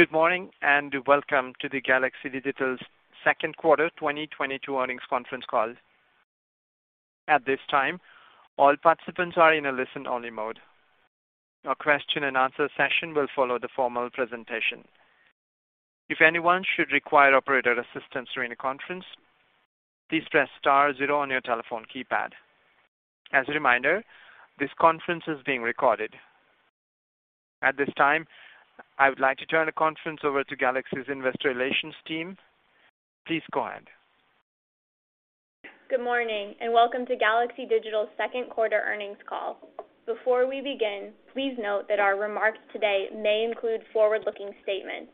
Good morning, and welcome to Galaxy Digital's second quarter 2022 earnings conference call. At this time, all participants are in a listen-only mode. A question and answer session will follow the formal presentation. If anyone should require operator assistance during the conference, please press star zero on your telephone keypad. As a reminder, this conference is being recorded. At this time, I would like to turn the conference over to Galaxy's investor relations team. Please go ahead. Good morning, and welcome to Galaxy Digital's second quarter earnings call. Before we begin, please note that our remarks today may include forward-looking statements.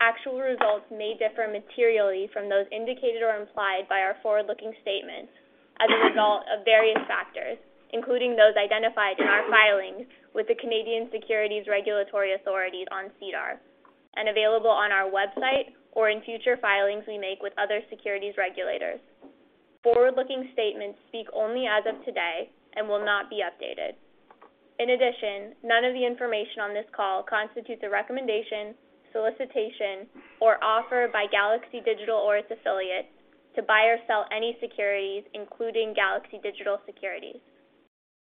Actual results may differ materially from those indicated or implied by our forward-looking statements as a result of various factors, including those identified in our filings with the Canadian Securities Administrators on SEDAR and available on our website or in future filings we make with other securities regulators. Forward-looking statements speak only as of today and will not be updated. In addition, none of the information on this call constitutes a recommendation, solicitation, or offer by Galaxy Digital or its affiliates to buy or sell any securities, including Galaxy Digital securities.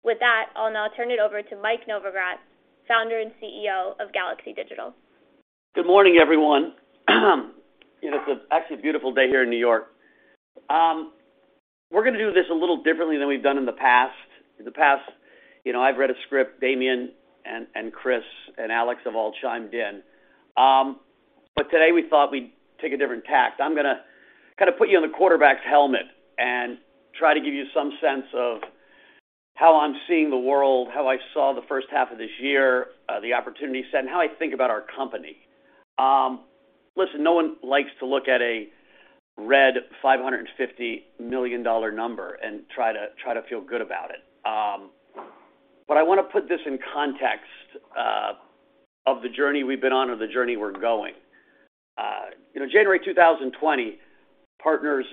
With that, I'll now turn it over to Mike Novogratz, Founder and CEO of Galaxy Digital. Good morning, everyone. It's actually beautiful day here in New York. We're gonna do this a little differently than we've done in the past. In the past, you know, I've read a script, Damian and Chris and Alex have all chimed in. Today we thought we'd take a different tack. I'm gonna kinda put you in the quarterback's helmet and try to give you some sense of how I'm seeing the world, how I saw the first half of this year, the opportunity set, and how I think about our company. Listen, no one likes to look at a red $550 million number and try to feel good about it. I wanna put this in context of the journey we've been on or the journey we're going. You know, January 2020, partners'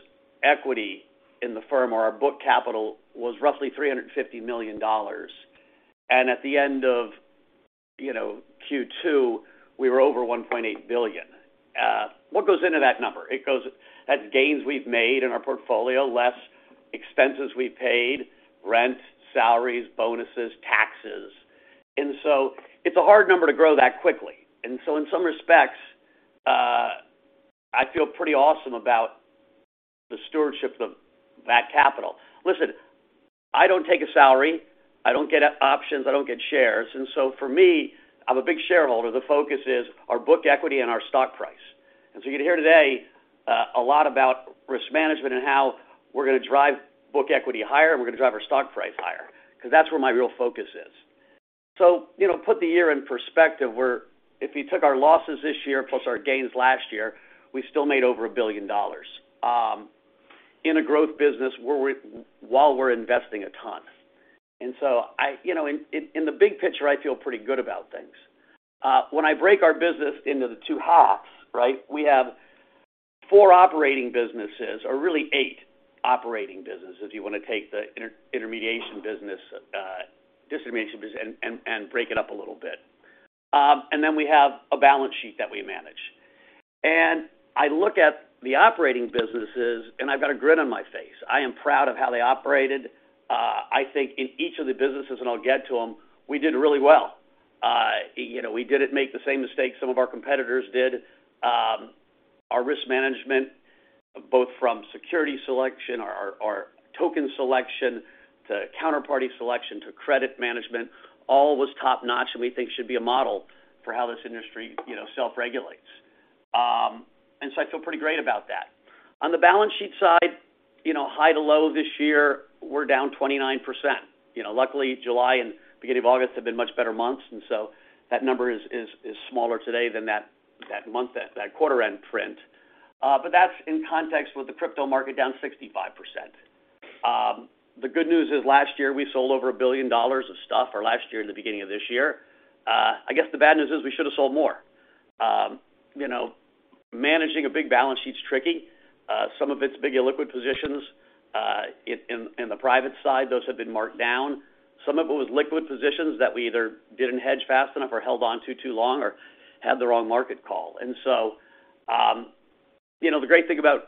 equity in the firm or our book capital was roughly $350 million. At the end of, you know, Q2, we were over $1.8 billion. What goes into that number? That's gains we've made in our portfolio, less expenses we paid, rent, salaries, bonuses, taxes. It's a hard number to grow that quickly. In some respects, I feel pretty awesome about the stewardship of that capital. Listen, I don't take a salary. I don't get options. I don't get shares. For me, I'm a big shareholder. The focus is our book equity and our stock price. You're gonna hear today a lot about risk management and how we're gonna drive book equity higher, and we're gonna drive our stock price higher because that's where my real focus is. You know, put the year in perspective, we're if you took our losses this year plus our gains last year, we still made over $1 billion in a growth business where we're while we're investing a ton. You know, the big picture, I feel pretty good about things. When I break our business into the two halves, right, we have four operating businesses or really eight operating businesses if you wanna take the intermediation business, distribution business and break it up a little bit. Then we have a balance sheet that we manage. I look at the operating businesses, and I've got a grin on my face. I am proud of how they operated. I think in each of the businesses, and I'll get to them, we did really well. You know, we didn't make the same mistakes some of our competitors did. Our risk management, both from security selection, our token selection to counterparty selection to credit management, all was top-notch, and we think should be a model for how this industry, you know, self-regulates. I feel pretty great about that. On the balance sheet side, you know, high to low this year, we're down 29%. You know, luckily, July and beginning of August have been much better months, and so that number is smaller today than that month, that quarter end print. That's in context with the crypto market down 65%. The good news is last year, we sold over $1 billion of stuff or last year in the beginning of this year. I guess the bad news is we should have sold more. You know, managing a big balance sheet's tricky. Some of it's big illiquid positions in the private side, those have been marked down. Some of it was liquid positions that we either didn't hedge fast enough or held on to too long or had the wrong market call. You know, the great thing about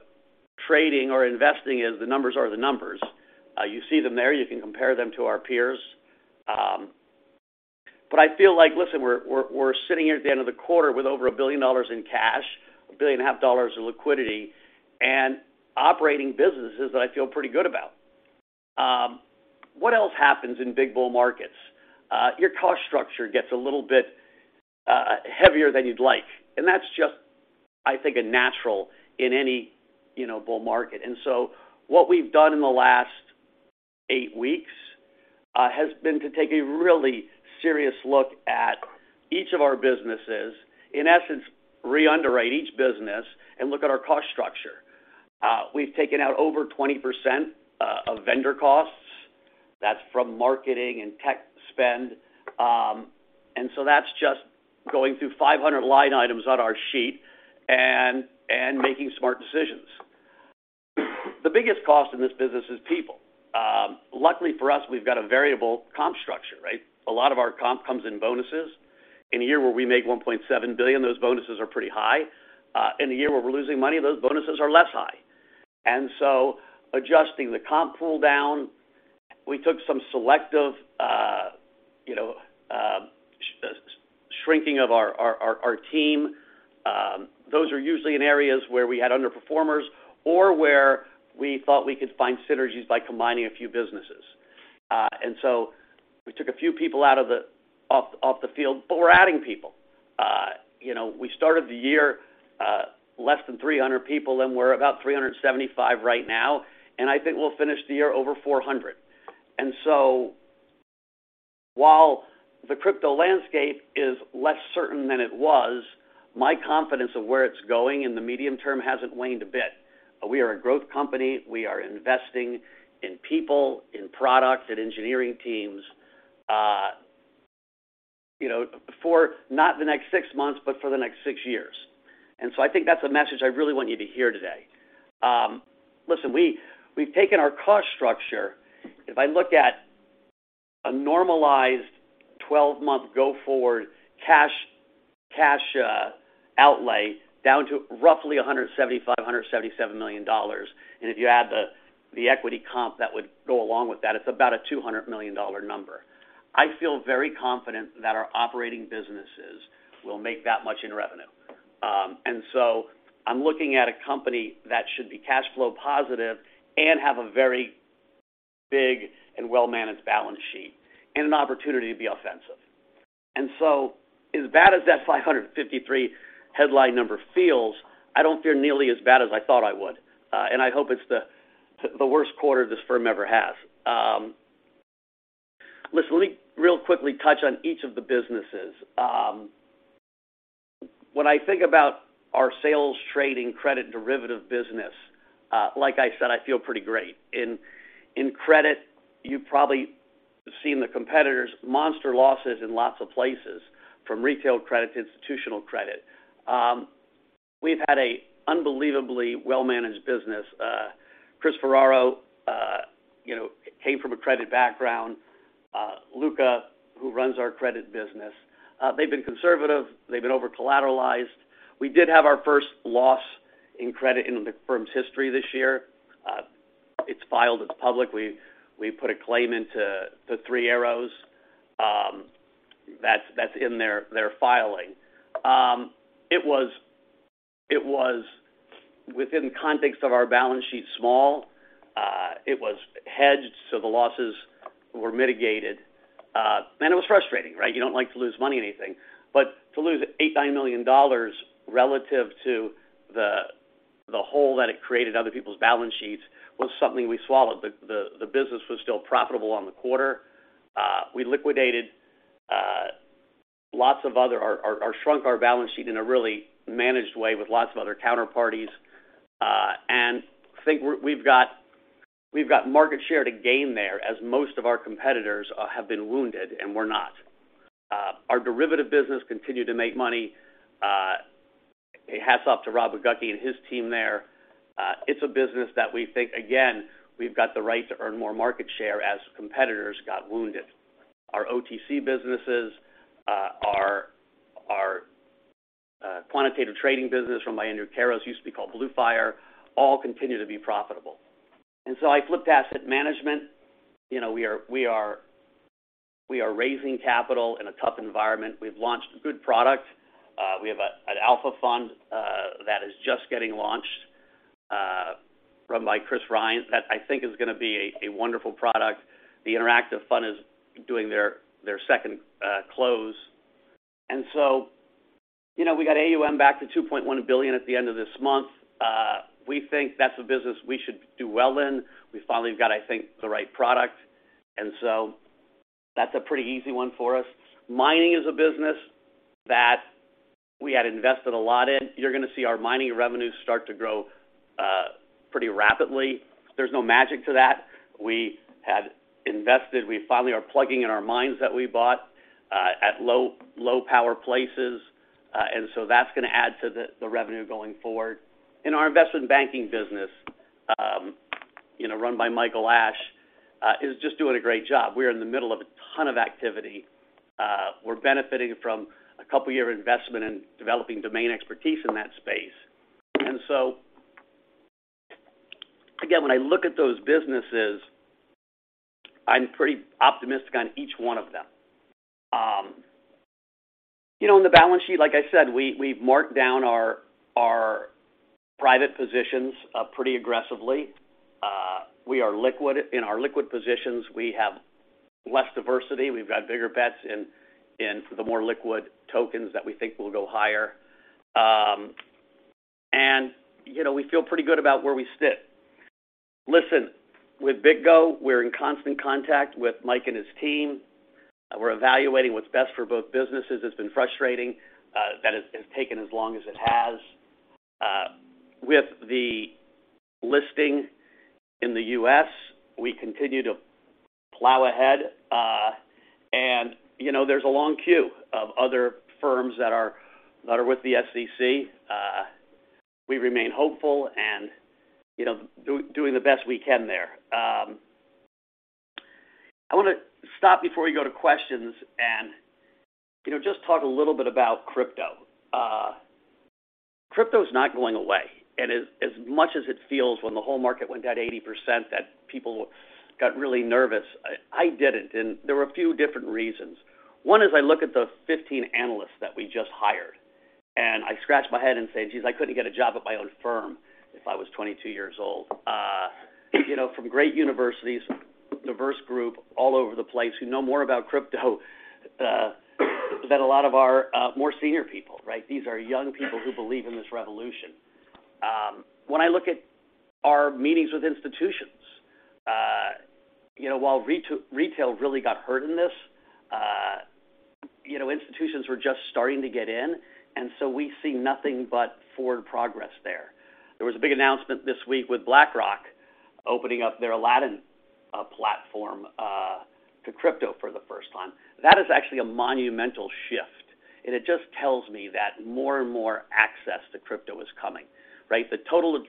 trading or investing is the numbers are the numbers. You see them there. You can compare them to our peers. I feel like, listen, we're sitting here at the end of the quarter with over $1 billion in cash, $1.5 billion in liquidity and operating businesses that I feel pretty good about. What else happens in big bull markets? Your cost structure gets a little bit heavier than you'd like, and that's just, I think, a natural in any, you know, bull market. What we've done in the last eight weeks has been to take a really serious look at each of our businesses, in essence, re-underwrite each business and look at our cost structure. We've taken out over 20% of vendor costs. That's from marketing and tech spend. That's just going through 500 line items on our sheet and making smart decisions. The biggest cost in this business is people. Luckily for us, we've got a variable comp structure, right? A lot of our comp comes in bonuses. In a year where we make $1.7 billion, those bonuses are pretty high. In a year where we're losing money, those bonuses are less high. Adjusting the comp pool down, we took some selective shrinking of our team. Those are usually in areas where we had underperformers or where we thought we could find synergies by combining a few businesses. We took a few people off the field, but we're adding people. You know, we started the year less than 300 people, and we're about 375 right now, and I think we'll finish the year over 400. While the crypto landscape is less certain than it was, my confidence of where it's going in the medium term hasn't waned a bit. We are a growth company. We are investing in people, in products, in engineering teams, you know, for not the next six months, but for the next six years. I think that's a message I really want you to hear today. Listen, we've taken our cost structure. If I look at a normalized twelve-month go-forward cash outlay down to roughly $175 million-$177 million, and if you add the equity comp that would go along with that, it's about a $200 million number. I feel very confident that our operating businesses will make that much in revenue. I'm looking at a company that should be cash flow positive and have a very big and well-managed balance sheet and an opportunity to be offensive. As bad as that $553 million headline number feels, I don't fear nearly as bad as I thought I would. I hope it's the worst quarter this firm ever has. Listen, let me really quickly touch on each of the businesses. When I think about our Sales, Trading, Credit, Derivative business, like I said, I feel pretty great. In Credit, you've probably seen the competitors monster losses in lots of places, from retail credit to institutional credit. We've had a unbelievably well-managed business. Chris Ferraro, you know, came from a credit background. Luca, who runs our credit business, they've been conservative. They've been over-collateralized. We did have our first loss in credit in the firm's history this year. It's filed. It's public. We put a claim into the Three Arrows, that's in their filing. It was, within the context of our balance sheet, small. It was hedged, so the losses were mitigated. It was frustrating, right? You don't like to lose money in anything. To lose $8 million-$9 million relative to the hole that it created on other people's balance sheets was something we swallowed. The business was still profitable on the quarter. We liquidated lots of other or shrunk our balance sheet in a really managed way with lots of other counterparties. I think we've got market share to gain there, as most of our competitors have been wounded, and we're not. Our Derivative business continued to make money. Hats off to Rob Mackey and his team there. It's a business that we think, again, we've got the right to earn more market share as competitors got wounded. Our OTC businesses, our quantitative trading business run by Andrew Karas, used to be called Blue Fire, all continue to be profitable. I flipped Asset Management. You know, we are raising capital in a tough environment. We've launched a good product. We have an alpha fund that is just getting launched, run by Chris Rhine, that I think is gonna be a wonderful product. The interactive fund is doing their second close. You know, we got AUM back to $2.1 billion at the end of this month. We think that's a business we should do well in. We finally have got, I think, the right product. That's a pretty easy one for us. Mining is a business that we had invested a lot in. You're gonna see our mining revenues start to grow pretty rapidly. There's no magic to that. We had invested. We finally are plugging in our mines that we bought at low power places. That's gonna add to the revenue going forward. Our Investment Banking business, you know, run by Michael Ashe, is just doing a great job. We're in the middle of a ton of activity. We're benefiting from a couple-year investment in developing domain expertise in that space. Again, when I look at those businesses, I'm pretty optimistic on each one of them. You know, in the balance sheet, like I said, we've marked down our private positions pretty aggressively. We are liquid. In our liquid positions, we have less diversity. We've got bigger bets in the more liquid tokens that we think will go higher. You know, we feel pretty good about where we sit. Listen, with BitGo, we're in constant contact with Mike and his team. We're evaluating what's best for both businesses. It's been frustrating that it has taken as long as it has. With the listing in the U.S., we continue to plow ahead. You know, there's a long queue of other firms that are with the SEC. We remain hopeful and, you know, doing the best we can there. I wanna stop before we go to questions and, you know, just talk a little bit about crypto. Crypto is not going away. As much as it feels when the whole market went down 80% that people got really nervous, I didn't, and there were a few different reasons. One is I look at the 15 analysts that we just hired, and I scratch my head and say, "Geez, I couldn't get a job at my own firm if I was 22 years old." You know, from great universities, diverse group all over the place who know more about crypto than a lot of our more senior people, right? These are young people who believe in this revolution. When I look at our meetings with institutions, you know, while retail really got hurt in this, you know, institutions were just starting to get in, and so we see nothing but forward progress there. There was a big announcement this week with BlackRock opening up their Aladdin platform to crypto for the first time. That is actually a monumental shift, and it just tells me that more and more access to crypto is coming, right? The Total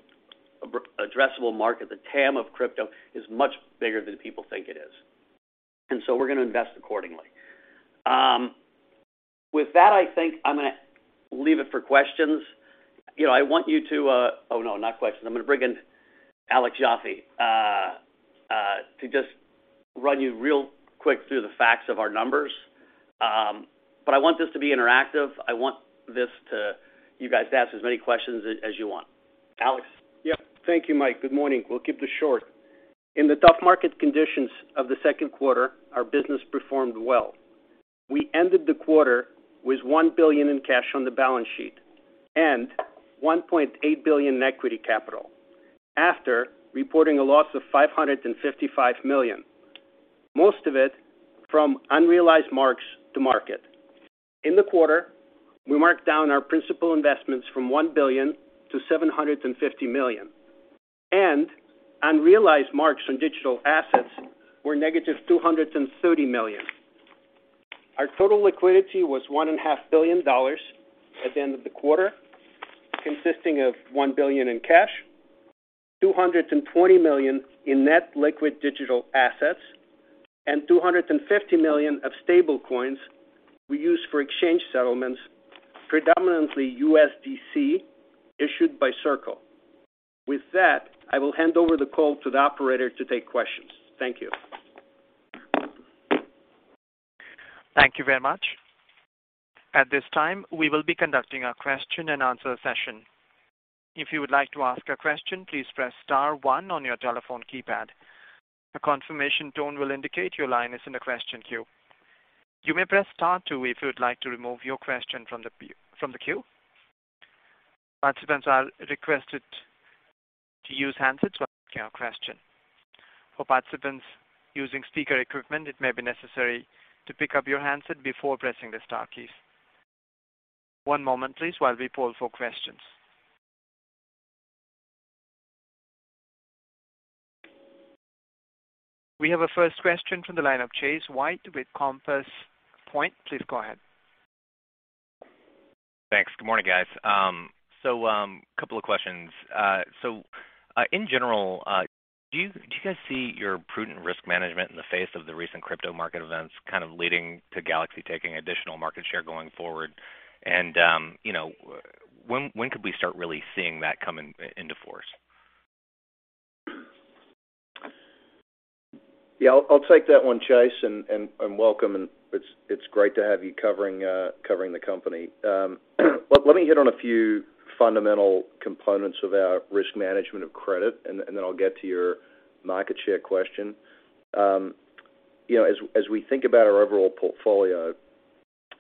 Addressable Market, the TAM of crypto, is much bigger than people think it is. We're gonna invest accordingly. With that, I think I'm gonna leave it for questions. You know, I want you to. Oh, no, not questions. I'm gonna bring in Alex Ioffe to just run you real quick through the facts of our numbers. I want this to be interactive. I want this to you guys to ask as many questions as you want. Alex? Yeah. Thank you, Mike. Good morning. We'll keep this short. In the tough market conditions of the second quarter, our business performed well. We ended the quarter with $1 billion in cash on the balance sheet and $1.8 billion in equity capital, after reporting a loss of $555 million, most of it from unrealized marks to market. In the quarter, we marked down our principal investments from $1 billion to $750 million, and unrealized marks on digital assets were negative $230 million. Our total liquidity was $1.5 billion at the end of the quarter, consisting of $1 billion in cash, $220 million in net liquid digital assets, and $250 million of stablecoins we use for exchange settlements, predominantly USDC issued by Circle. With that, I will hand over the call to the operator to take questions. Thank you. Thank you very much. At this time, we will be conducting a question and answer session. If you would like to ask a question, please press star one on your telephone keypad. A confirmation tone will indicate your line is in the question queue. You may press star two if you would like to remove your question from the queue. Participants are requested to use handsets when asking a question. For participants using speaker equipment, it may be necessary to pick up your handset before pressing the star keys. One moment, please, while we poll for questions. We have our first question from the line of Chase White with Compass Point. Please go ahead. Thanks. Good morning, guys. Couple of questions. In general, do you guys see your prudent risk management in the face of the recent crypto market events kind of leading to Galaxy taking additional market share going forward? You know, when could we start really seeing that coming into force? Yeah, I'll take that one, Chase. Welcome, it's great to have you covering the company. Let me hit on a few fundamental components of our risk management of credit, and then I'll get to your market share question. You know, as we think about our overall portfolio,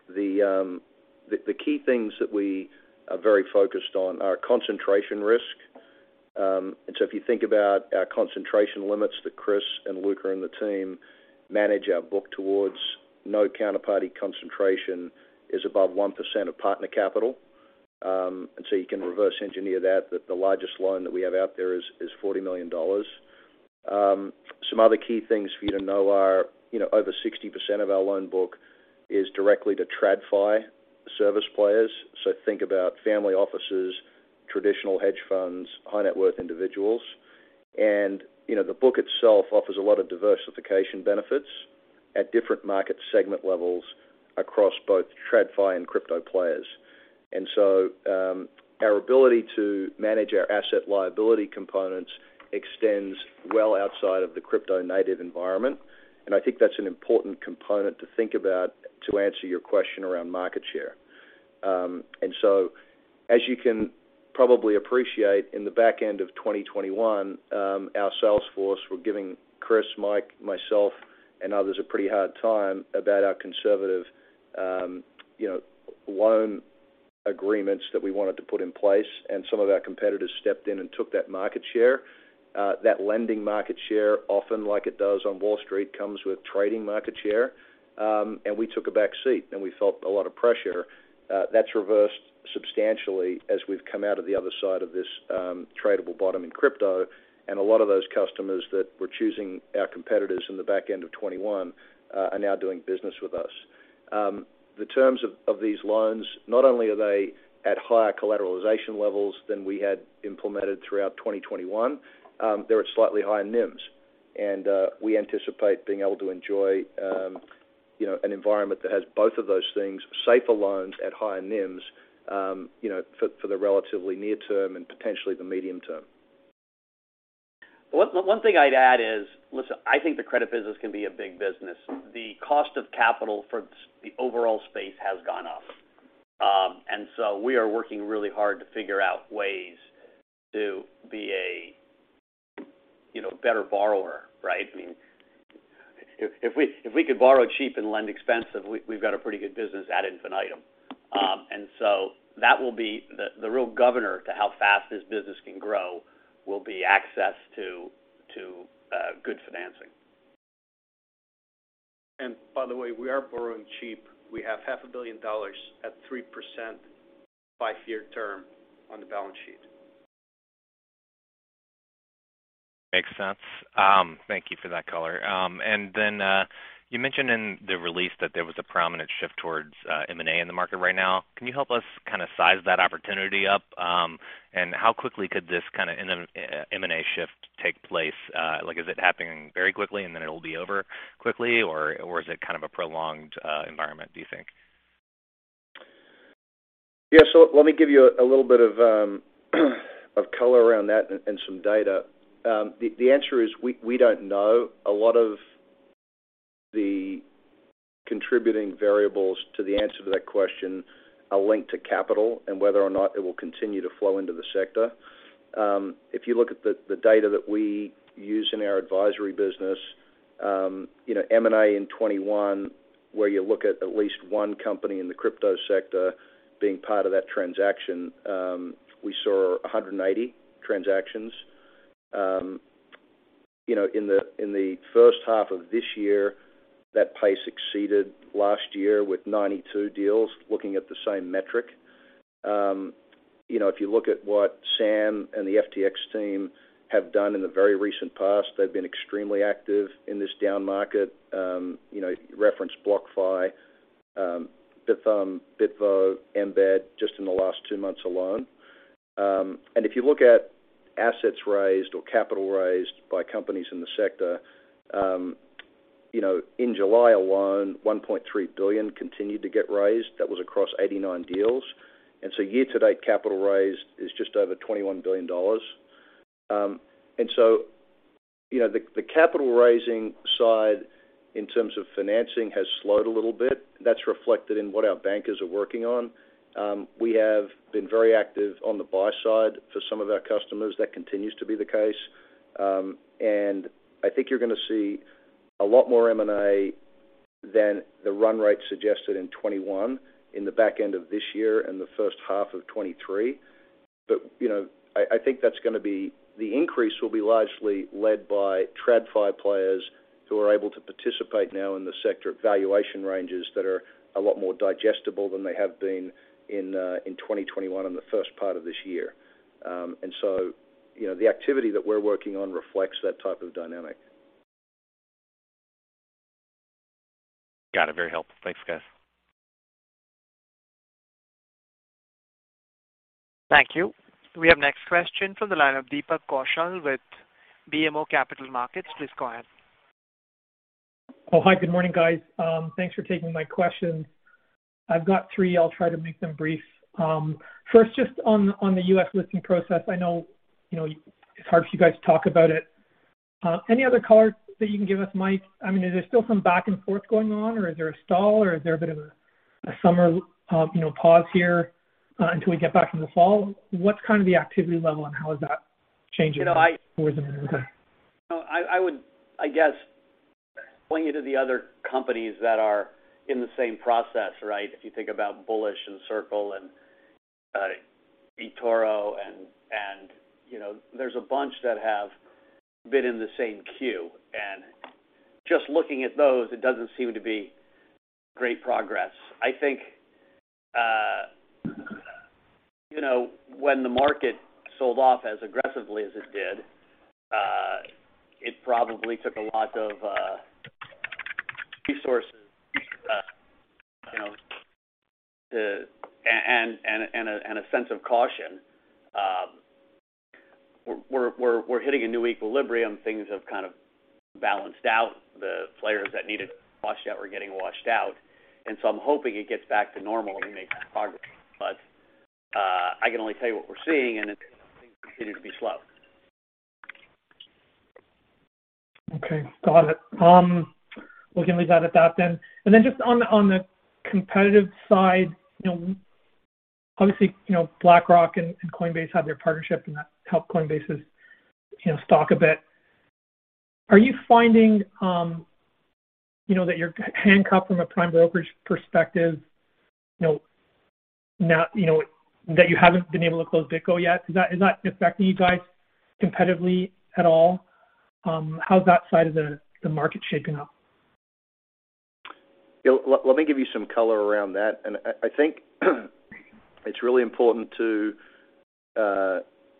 the key things that we are very focused on are concentration risk. If you think about our concentration limits that Chris and Luca and the team manage our book towards, no counterparty concentration is above 1% of partner capital. You can reverse engineer that the largest loan that we have out there is $40 million. Some other key things for you to know are, you know, over 60% of our loan book is directly to TradFi service players. Think about family offices, traditional hedge funds, high net worth individuals. You know, the book itself offers a lot of diversification benefits at different market segment levels across both TradFi and crypto players. Our ability to manage our asset liability components extends well outside of the crypto-native environment, and I think that's an important component to think about to answer your question around market share. As you can probably appreciate, in the back end of 2021, our sales force were giving Chris, Mike, myself, and others a pretty hard time about our conservative, you know, loan agreements that we wanted to put in place, and some of our competitors stepped in and took that market share. That lending market share, often like it does on Wall Street, comes with trading market share. We took a back seat, and we felt a lot of pressure. That's reversed. Substantially as we've come out of the other side of this tradable bottom in crypto, and a lot of those customers that were choosing our competitors in the back end of 2021 are now doing business with us. The terms of these loans, not only are they at higher collateralization levels than we had implemented throughout 2021, they're at slightly higher NIMs. We anticipate being able to enjoy you know an environment that has both of those things, safer loans at higher NIMs you know for the relatively near term and potentially the medium term. One thing I'd add is, listen, I think the credit business can be a big business. The cost of capital for the overall space has gone up. We are working really hard to figure out ways to be a, you know, better borrower, right? I mean, if we could borrow cheap and lend expensive, we've got a pretty good business ad infinitum. That will be the real governor to how fast this business can grow, will be access to good financing. By the way, we are borrowing cheap. We have half a billion dollars at 3% five-year term on the balance sheet. Makes sense. Thank you for that color. And then, you mentioned in the release that there was a prominent shift towards M&A in the market right now. Can you help us kinda size that opportunity up? And how quickly could this kinda M&A shift take place? Like, is it happening very quickly, and then it'll be over quickly? Or is it kind of a prolonged environment, do you think? Yeah. Let me give you a little bit of color around that and some data. The answer is we don't know. A lot of the contributing variables to the answer to that question are linked to capital and whether or not it will continue to flow into the sector. If you look at the data that we use in our advisory business, you know, M&A in 2021, where you look at at least one company in the crypto sector being part of that transaction, we saw 180 transactions. You know, in the first half of this year, that pace exceeded last year with 92 deals, looking at the same metric. You know, if you look at what Sam and the FTX team have done in the very recent past, they've been extremely active in this down market. You know, reference BlockFi, Bithumb, Bitvo, Embed just in the last two months alone. If you look at assets raised or capital raised by companies in the sector, you know, in July alone, $1.3 billion continued to get raised. That was across 89 deals. Year-to-date capital raised is just over $21 billion. You know, the capital raising side in terms of financing has slowed a little bit. That's reflected in what our bankers are working on. We have been very active on the buy side for some of our customers. That continues to be the case. I think you're gonna see a lot more M&A than the run rate suggested in 2021 in the back end of this year and the first half of 2023. You know, I think that's gonna be. The increase will be largely led by TradFi players who are able to participate now in the sector at valuation ranges that are a lot more digestible than they have been in 2021 and the first part of this year. You know, the activity that we're working on reflects that type of dynamic. Got it. Very helpful. Thanks, guys. Thank you. We have next question from the line of Deepak Kaushal with BMO Capital Markets. Please go ahead. Oh, hi. Good morning, guys. Thanks for taking my questions. I've got three. I'll try to make them brief. First, just on the U.S. listing process, I know, you know, it's hard for you guys to talk about it. Any other color that you can give us, Mike? I mean, is there still some back and forth going on, or is there a stall, or is there a bit of a summer, you know, pause here, until we get back in the fall? What's kind of the activity level, and how is that changing You know, I would, I guess, point you to the other companies that are in the same process, right? If you think about Bullish and Circle and eToro and, you know, there's a bunch that have been in the same queue. Just looking at those, it doesn't seem to be great progress. I think, you know, when the market sold off as aggressively as it did, it probably took a lot of resources, you know, and a sense of caution. We're hitting a new equilibrium. Things have kind of balanced out. The players that needed to be washed out were getting washed out. I'm hoping it gets back to normal and we make progress. I can only tell you what we're seeing, and it's things continue to be slow. Okay. Got it. We can leave that at that then. Just on the competitive side, you know, obviously, you know, BlackRock and Coinbase have their partnership, and that helped Coinbase's, you know, stock a bit. Are you finding, you know, that you're handcuffed from a prime brokerage perspective, you know, now, you know, that you haven't been able to close BitGo yet? Is that affecting you guys competitively at all? How's that side of the market shaping up? Yeah. Let me give you some color around that. I think it's really important to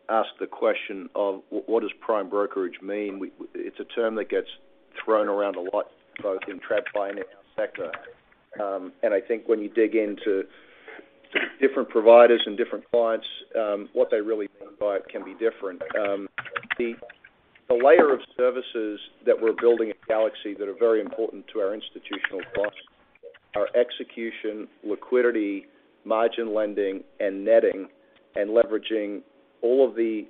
ask the question of, what does prime brokerage mean? It's a term that gets thrown around a lot, both in TradFi and in our sector. I think when you dig into different providers and different clients, what they really mean by it can be different. The layer of services that we're building at Galaxy that are very important to our institutional clients are execution, liquidity, margin lending and netting, and leveraging all of the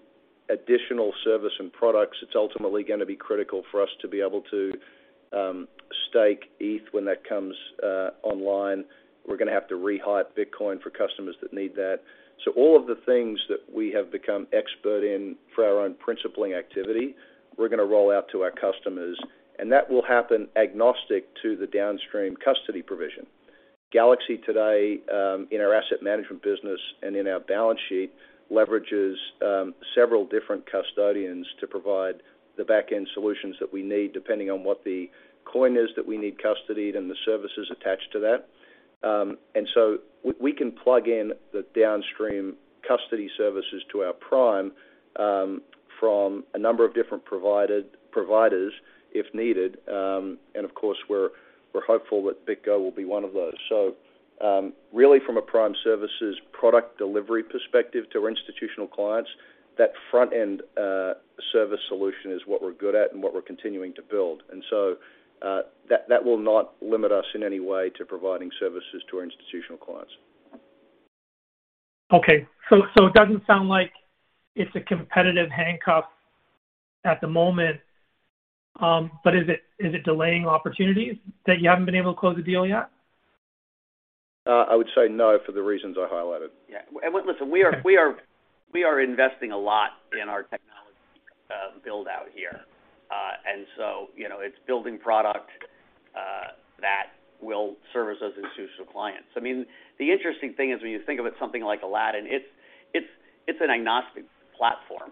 additional services and products. It's ultimately gonna be critical for us to be able to stake Eth when that comes online. We're gonna have to rehypothecate Bitcoin for customers that need that. All of the things that we have become expert in for our own principal activity, we're gonna roll out to our customers, and that will happen agnostic to the downstream custody provision. Galaxy today, in our asset management business and in our balance sheet, leverages several different custodians to provide the back-end solutions that we need, depending on what the coin is that we need custodied and the services attached to that. We can plug in the downstream custody services to our prime, from a number of different providers if needed. Of course, we're hopeful that BitGo will be one of those. Really from a prime services product delivery perspective to our institutional clients, that front-end service solution is what we're good at and what we're continuing to build. That will not limit us in any way to providing services to our institutional clients. Okay. It doesn't sound like it's a competitive handcuff at the moment. But is it delaying opportunities that you haven't been able to close the deal yet? I would say no, for the reasons I highlighted. Yeah. Listen, we are investing a lot in our technology build out here. You know, it's building product that will service those institutional clients. I mean, the interesting thing is when you think of it something like Aladdin, it's an agnostic platform.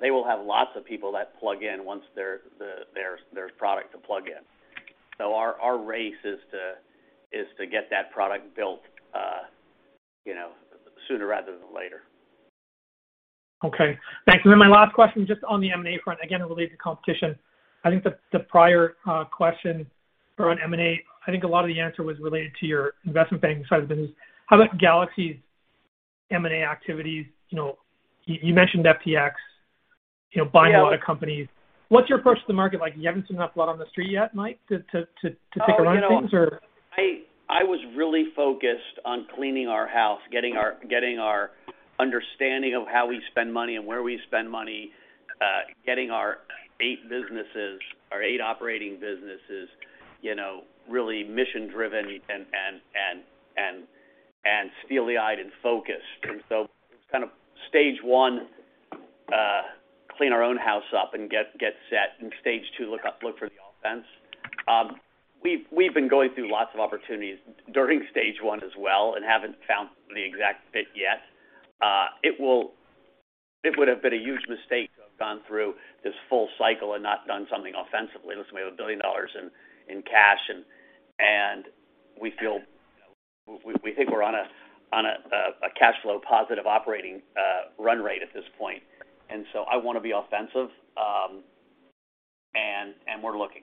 They will have lots of people that plug in once their product to plug in. Our race is to get that product built, you know, sooner rather than later. Okay. Thanks. Then my last question, just on the M&A front, again, related to competition. I think the prior question around M&A, I think a lot of the answer was related to your investment banking side of the business. How about Galaxy's M&A activities? You know, you mentioned FTX, you know, buying a lot of companies. What's your approach to the market like? You haven't seen enough blood on the street yet, Mike, to take a run at things, or? Oh, you know, I was really focused on cleaning our house, getting our understanding of how we spend money and where we spend money, getting our eight businesses, our eight operating businesses, you know, really mission-driven and steely-eyed and focused. It's kind of stage one, clean our own house up and get set, and stage two, look for the offense. We've been going through lots of opportunities during stage one as well and haven't found the exact fit yet. It would've been a huge mistake to have gone through this full cycle and not done something offensively. Listen, we have $1 billion in cash and we feel. We think we're on a cash flow positive operating run rate at this point. I wanna be offensive. We're looking.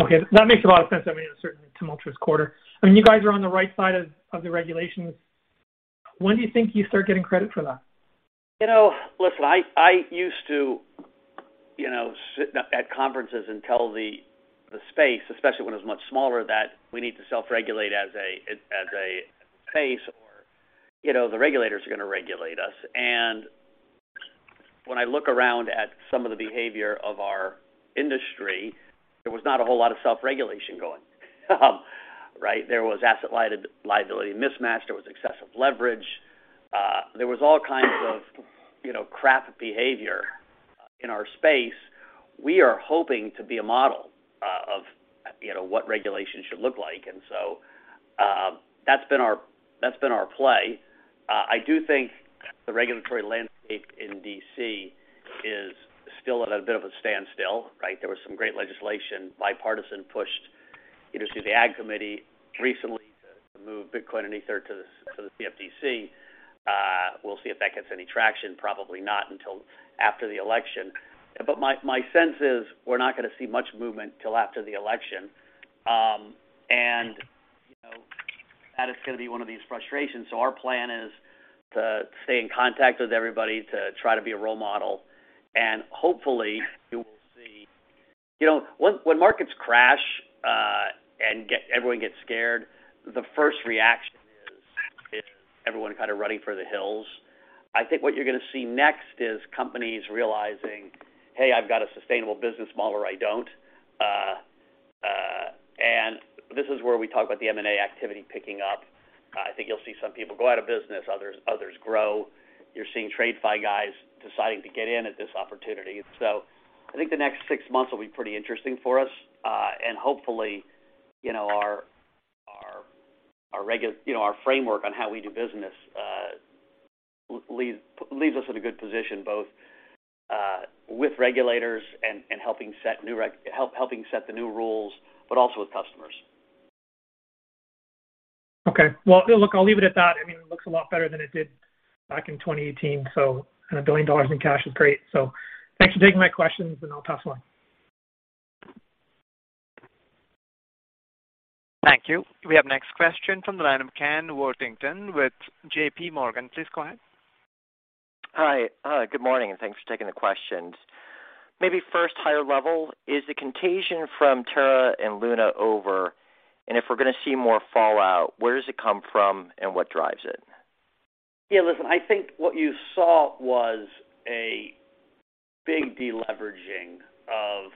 Okay. That makes a lot of sense. I mean, a certain tumultuous quarter. I mean, you guys are on the right side of the regulations. When do you think you start getting credit for that? You know, listen, I used to, you know, sit at conferences and tell the space, especially when it was much smaller, that we need to self-regulate as a space or, you know, the regulators are gonna regulate us. When I look around at some of the behavior of our industry, there was not a whole lot of self-regulation going, right? There was asset liability mismatch, there was excessive leverage. There was all kinds of, you know, crap behavior in our space. We are hoping to be a model of, you know, what regulation should look like. That's been our play. I do think the regulatory landscape in D.C. is still at a bit of a standstill, right? There was some great legislation, bipartisan push, you know, through the AG committee recently to move Bitcoin and Ether to the CFTC. We'll see if that gets any traction, probably not until after the election. My sense is we're not gonna see much movement till after the election. You know, that is gonna be one of these frustrations. Our plan is to stay in contact with everybody, to try to be a role model, and hopefully you will see. You know, when markets crash, everyone gets scared, the first reaction is everyone kind of running for the hills. I think what you're gonna see next is companies realizing, "Hey, I've got a sustainable business model, or I don't." This is where we talk about the M&A activity picking up. I think you'll see some people go out of business, others grow. You're seeing TradFi guys deciding to get in at this opportunity. I think the next six months will be pretty interesting for us. Hopefully, you know, our framework on how we do business leaves us in a good position, both with regulators and helping set the new rules, but also with customers. Okay. Well, look, I'll leave it at that. I mean, it looks a lot better than it did back in 2018, so and $1 billion in cash is great. Thanks for taking my questions, and I'll pass the line. Thank you. We have next question from the line of Kenneth Worthington with JPMorgan. Please go ahead. Hi. Good morning, and thanks for taking the questions. Maybe first higher level, is the contagion from Terra and Luna over? If we're gonna see more fallout, where does it come from, and what drives it? Yeah, listen, I think what you saw was a big deleveraging of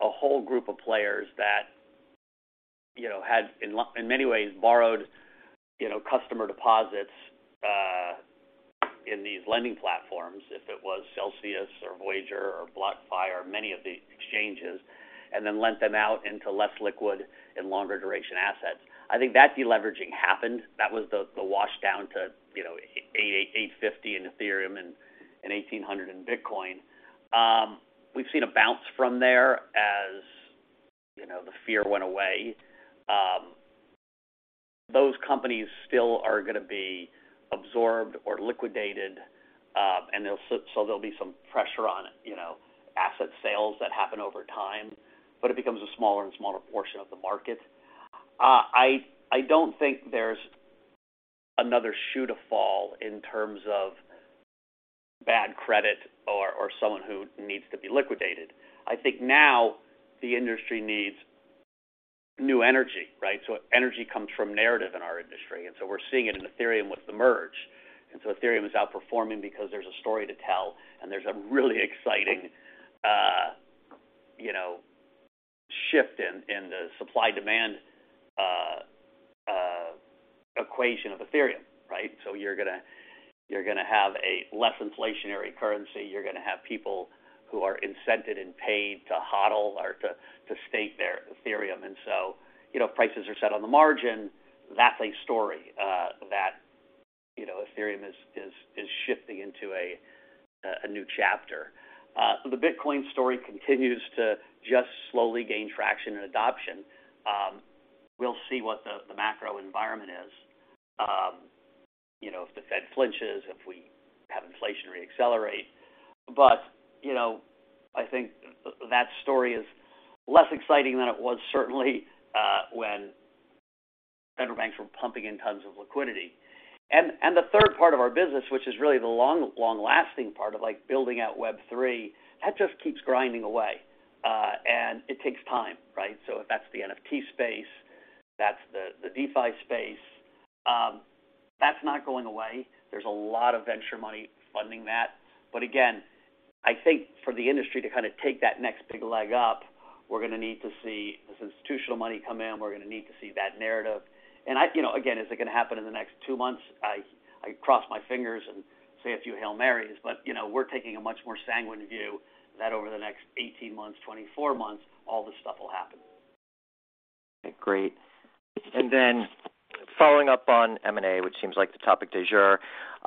a whole group of players that, you know, had in many ways borrowed, you know, customer deposits in these lending platforms, if it was Celsius or Voyager or BlockFi or many of the exchanges, and then lent them out into less liquid and longer duration assets. I think that deleveraging happened. That was the wash down to, you know, $850 in Ethereum and $1,800 in Bitcoin. We've seen a bounce from there as, you know, the fear went away. Those companies still are gonna be absorbed or liquidated, and so there'll be some pressure on, you know, asset sales that happen over time. But it becomes a smaller and smaller portion of the market. I don't think there's another shoe to fall in terms of bad credit or someone who needs to be liquidated. I think now the industry needs new energy, right? Energy comes from narrative in our industry, and so we're seeing it in Ethereum with the merge. Ethereum is outperforming because there's a story to tell, and there's a really exciting, you know, shift in the supply-demand equation of Ethereum, right? You're gonna have a less inflationary currency. You're gonna have people who are incented and paid to HODL or to stake their Ethereum. You know, prices are set on the margin. That's a story that you know Ethereum is shifting into a new chapter. The Bitcoin story continues to just slowly gain traction and adoption. We'll see what the macro environment is, you know, if the Fed flinches, if we have inflation reaccelerate. You know, I think that story is less exciting than it was certainly, when central banks were pumping in tons of liquidity. The third part of our business, which is really the long-lasting part of, like, building out Web3, that just keeps grinding away, and it takes time, right? If that's the NFT space, that's the DeFi space, that's not going away. There's a lot of venture money funding that. Again, I think for the industry to kind of take that next big leg up, we're gonna need to see this institutional money come in. We're gonna need to see that narrative. You know, again, is it gonna happen in the next two months? I cross my fingers and say a few Hail Marys. You know, we're taking a much more sanguine view that over the next 18 months, 24 months, all this stuff will happen. Okay, great. Following up on M&A, which seems like the topic du jour.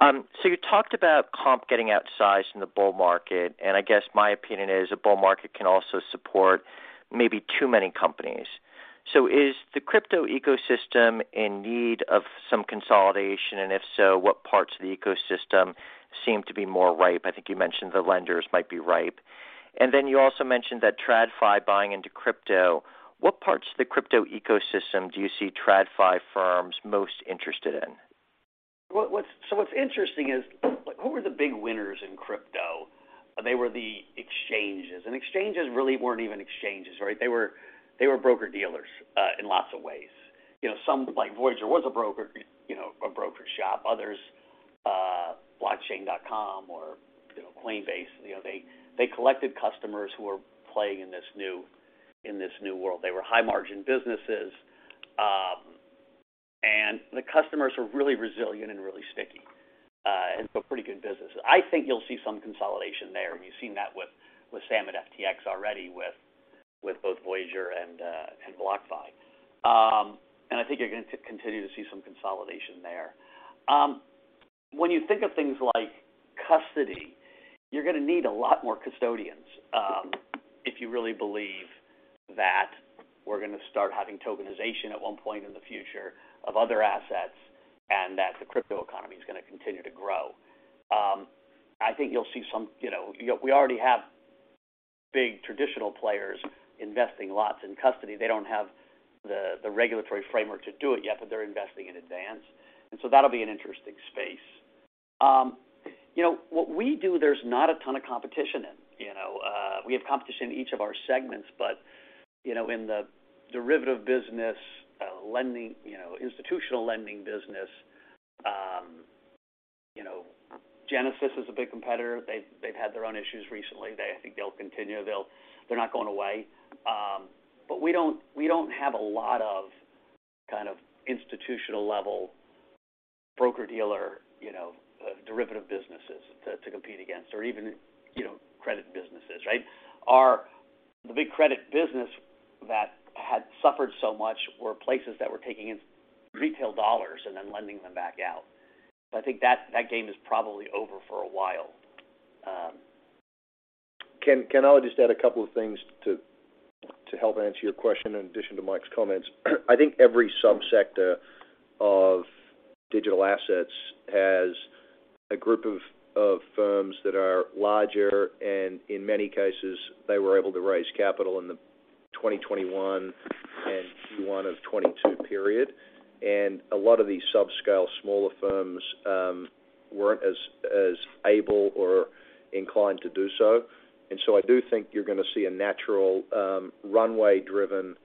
You talked about comp getting outsized from the bull market, and I guess my opinion is a bull market can also support maybe too many companies. Is the crypto ecosystem in need of some consolidation? If so, what parts of the ecosystem seem to be more ripe? I think you mentioned the lenders might be ripe. You also mentioned that TradFi buying into crypto. What parts of the crypto ecosystem do you see TradFi firms most interested in? What's interesting is, like, who were the big winners in crypto? They were the exchanges, and exchanges really weren't even exchanges, right? They were broker-dealers in lots of ways. You know, some, like Voyager, was a broker, you know, a broker shop. Others, Blockchain.com or, you know, Coinbase, you know, they collected customers who were playing in this new world. They were high-margin businesses, and the customers were really resilient and really sticky, and so pretty good business. I think you'll see some consolidation there. We've seen that with Sam at FTX already with both Voyager and BlockFi. I think you're gonna continue to see some consolidation there. When you think of things like custody, you're gonna need a lot more custodians, if you really believe that we're gonna start having tokenization at one point in the future of other assets and that the crypto economy is gonna continue to grow. I think you'll see. You know, we already have big traditional players investing lots in custody. They don't have the regulatory framework to do it yet, but they're investing in advance. That'll be an interesting space. You know, what we do, there's not a ton of competition in. You know, we have competition in each of our segments. You know, in the derivative business, lending, you know, institutional lending business, you know, Genesis is a big competitor. They've had their own issues recently. I think they'll continue. They're not going away. But we don't have a lot of kind of institutional level broker-dealer, you know, derivative businesses to compete against or even, you know, credit businesses, right? The big credit business that had suffered so much were places that were taking in retail dollars and then lending them back out. I think that game is probably over for a while. Can I just add a couple of things to help answer your question in addition to Mike's comments? I think every sub-sector of digital assets has a group of firms that are larger, and in many cases, they were able to raise capital in the 2021 and Q1 of 2022 period. A lot of these subscale smaller firms weren't as able or inclined to do so. I do think you're gonna see a natural runway-driven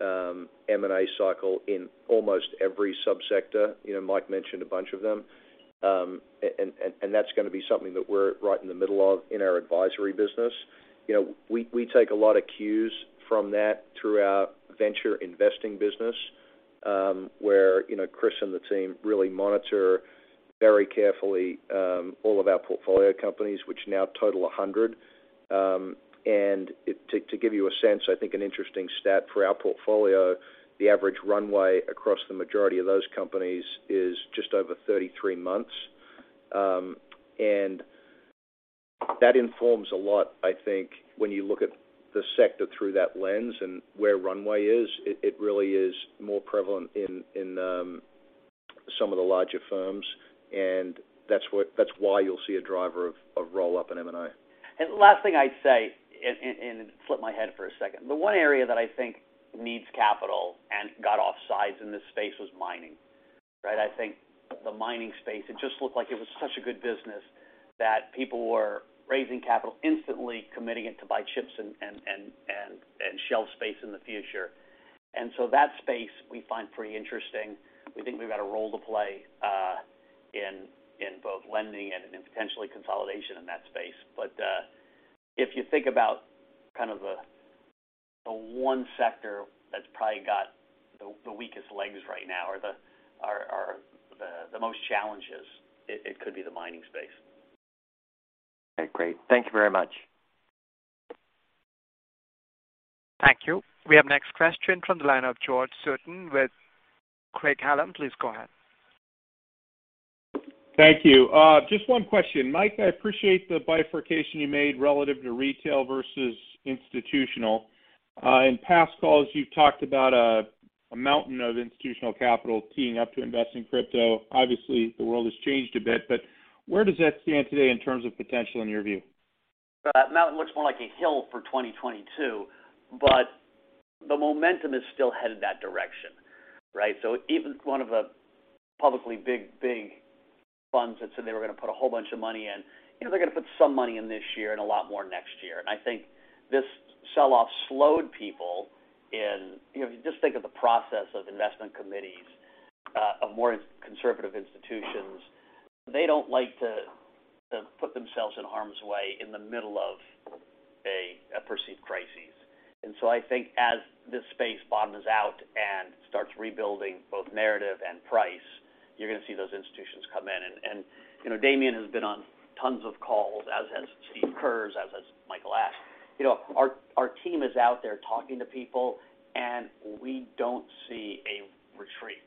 M&A cycle in almost every subsector. You know, Mike mentioned a bunch of them. That's gonna be something that we're right in the middle of in our advisory business. You know, we take a lot of cues from that through our venture investing business, where you know, Chris and the team really monitor very carefully all of our portfolio companies, which now total 100. To give you a sense, I think an interesting stat for our portfolio, the average runway across the majority of those companies is just over 33 months. That informs a lot, I think, when you look at the sector through that lens and where runway is. It really is more prevalent in some of the larger firms, and that's why you'll see a driver of roll-up in M&A. The last thing I'd say and flip my hat for a second. The one area that I think needs capital and got off sides in this space was mining, right? I think the mining space, it just looked like it was such a good business that people were raising capital, instantly committing it to buy chips and shelf space in the future. That space we find pretty interesting. We think we've got a role to play in both lending and in potential consolidation in that space. If you think about kind of the one sector that's probably got the weakest legs right now or the most challenges, it could be the mining space. Okay, great. Thank you very much. Thank you. We have next question from the line of George Sutton with Craig-Hallum. Please go ahead. Thank you. Just one question. Mike, I appreciate the bifurcation you made relative to retail versus institutional. In past calls, you've talked about a mountain of institutional capital teeing up to invest in crypto. Obviously, the world has changed a bit, but where does that stand today in terms of potential in your view? That mountain looks more like a hill for 2022, but the momentum is still headed that direction, right? Even one of the publicly big funds that said they were gonna put a whole bunch of money in, you know, they're gonna put some money in this year and a lot more next year. I think this sell-off slowed people. You know, if you just think of the process of investment committees of more conservative institutions, they don't like to put themselves in harm's way in the middle of a perceived crisis. I think as this space bottoms out and starts rebuilding both narrative and price, you're gonna see those institutions come in and you know, Damien has been on tons of calls, as has Steve Kurz, as has Michael Ashe. You know, our team is out there talking to people, and we don't see a retreat.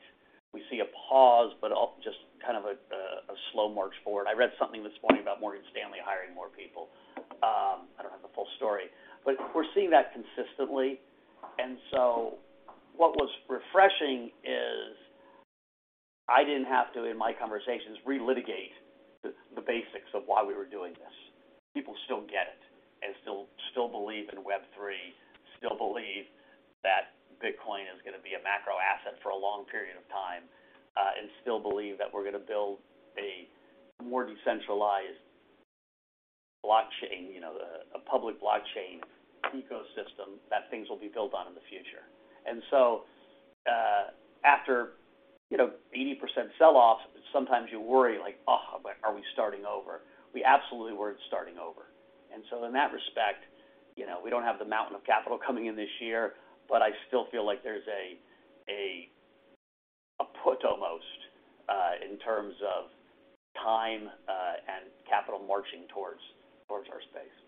We see a pause, but just kind of a slow march forward. I read something this morning about Morgan Stanley hiring more people. I don't have the full story. We're seeing that consistently. What was refreshing is I didn't have to, in my conversations, relitigate the basics of why we were doing this. People still get it and still believe in Web3, still believe that Bitcoin is gonna be a macro asset for a long period of time, and still believe that we're gonna build a more decentralized blockchain, you know, a public blockchain ecosystem that things will be built on in the future. After you know 80% sell-off, sometimes you worry like, "Oh, are we starting over?" We absolutely weren't starting over. In that respect, you know, we don't have the mountain of capital coming in this year, but I still feel like there's a put almost, in terms of time, and capital marching towards our space.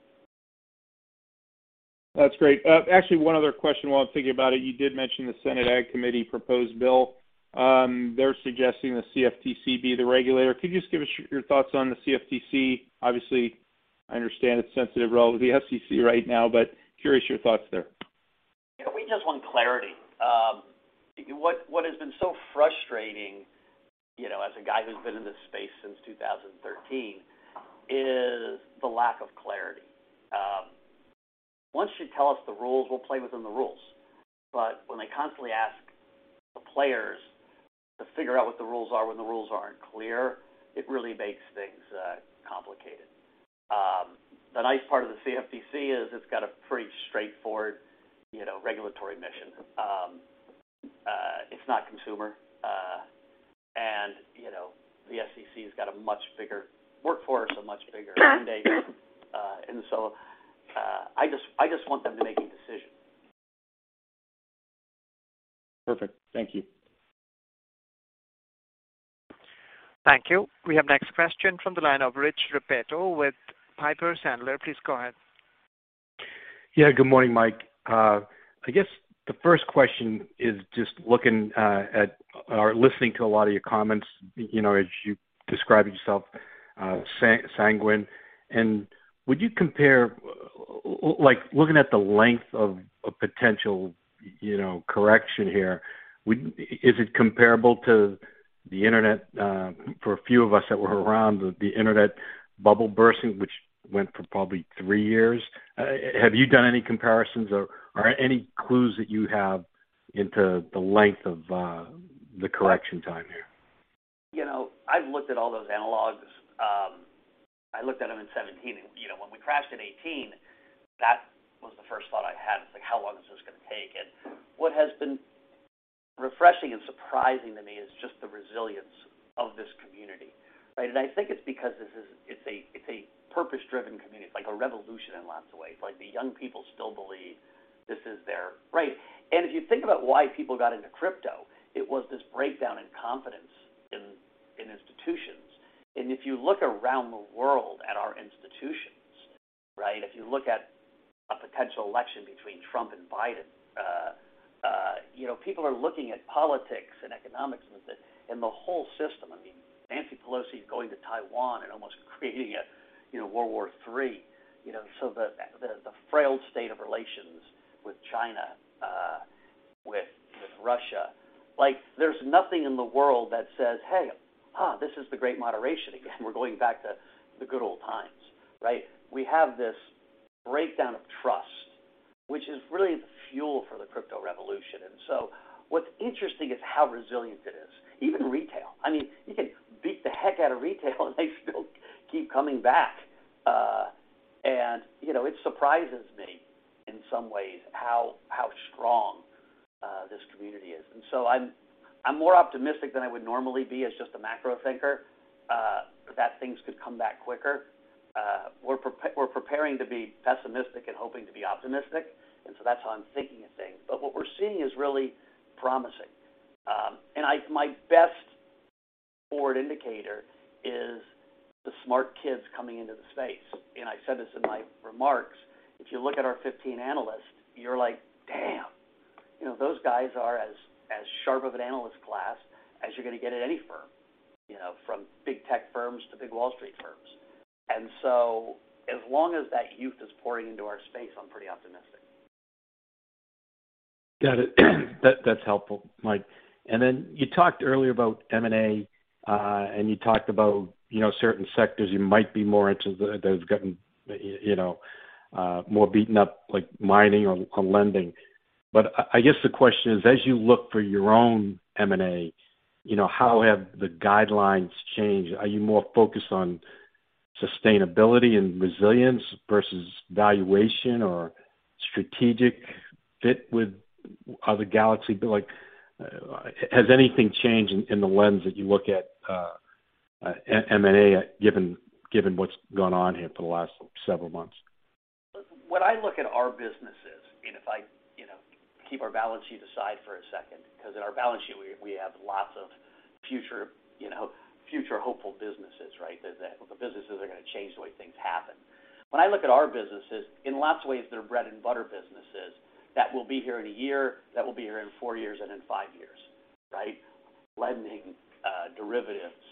That's great. Actually, one other question while I'm thinking about it. You did mention the Senate Committee On Agriculture proposed bill. They're suggesting the CFTC be the regulator. Could you just give us your thoughts on the CFTC? Obviously, I understand it's sensitive role with the SEC right now, but curious your thoughts there. You know, we just want clarity. What has been so frustrating, you know, as a guy who's been in this space since 2013, is the lack of clarity. Once you tell us the rules, we'll play within the rules. When they constantly ask the players to figure out what the rules are when the rules aren't clear, it really makes things complicated. The nice part of the CFTC is it's got a pretty straightforward, you know, regulatory mission. It's not consumer. You know, the SEC has got a much bigger workforce, a much bigger mandate. I just want them to make a decision. Perfect. Thank you. Thank you. We have next question from the line of Rich Repetto with Piper Sandler. Please go ahead. Yeah, good morning, Mike. I guess the first question is just looking at or listening to a lot of your comments, you know, as you describe yourself sanguine. Would you compare, like looking at the length of a potential, you know, correction here, is it comparable to the Internet for a few of us that were around the Internet bubble bursting, which went for probably three years? Have you done any comparisons or any clues that you have into the length of the correction time here? You know, I've looked at all those analogs. I looked at them in 2017. You know, when we crashed in 2018, that was the first thought I had is like, how long is this gonna take? What has been refreshing and surprising to me is just the resilience of this community, right? I think it's because this is a purpose-driven community. It's like a revolution in lots of ways. Like, the young people still believe this is their right. If you think about why people got into crypto, it was this breakdown in confidence in institutions. If you look around the world at our institutions, right? If you look at a potential election between Trump and Biden, you know, people are looking at politics and economics and the whole system. I mean, Nancy Pelosi is going to Taiwan and almost creating a, you know, World War III. You know, the frail state of relations with China, with Russia, like, there's nothing in the world that says, "Hey, this is the Great Moderation. Again, we're going back to the good old times." Right? We have this breakdown of trust, which is really the fuel for the crypto revolution. What's interesting is how resilient it is, even retail. I mean, you can beat the heck out of retail, and they still keep coming back. You know, it surprises me in some ways how strong this community is. I'm more optimistic than I would normally be as just a macro thinker, that things could come back quicker. We're preparing to be pessimistic and hoping to be optimistic, and so that's how I'm thinking of things. What we're seeing is really promising. My best forward indicator is the smart kids coming into the space. I said this in my remarks. If you look at our 15 analysts, you're like, damn, you know, those guys are as sharp of an analyst class as you're gonna get at any firm, you know, from big tech firms to big Wall Street firms. As long as that youth is pouring into our space, I'm pretty optimistic. Got it. That's helpful, Mike. Then you talked earlier about M&A, and you talked about, you know, certain sectors you might be more interested that has gotten, you know, more beaten up, like mining or lending. I guess the question is, as you look for your own M&A, you know, how have the guidelines changed? Are you more focused on sustainability and resilience versus valuation or strategic fit with other Galaxy? Like, has anything changed in the lens that you look at M&A given what's gone on here for the last several months? When I look at our businesses, and if I, you know, keep our balance sheet aside for a second, 'cause in our balance sheet we have lots of future, you know, future hopeful businesses, right? The businesses are gonna change the way things happen. When I look at our businesses, in lots of ways, they're bread and butter businesses that will be here in a year, that will be here in four years, and in five years, right? Lending, derivatives,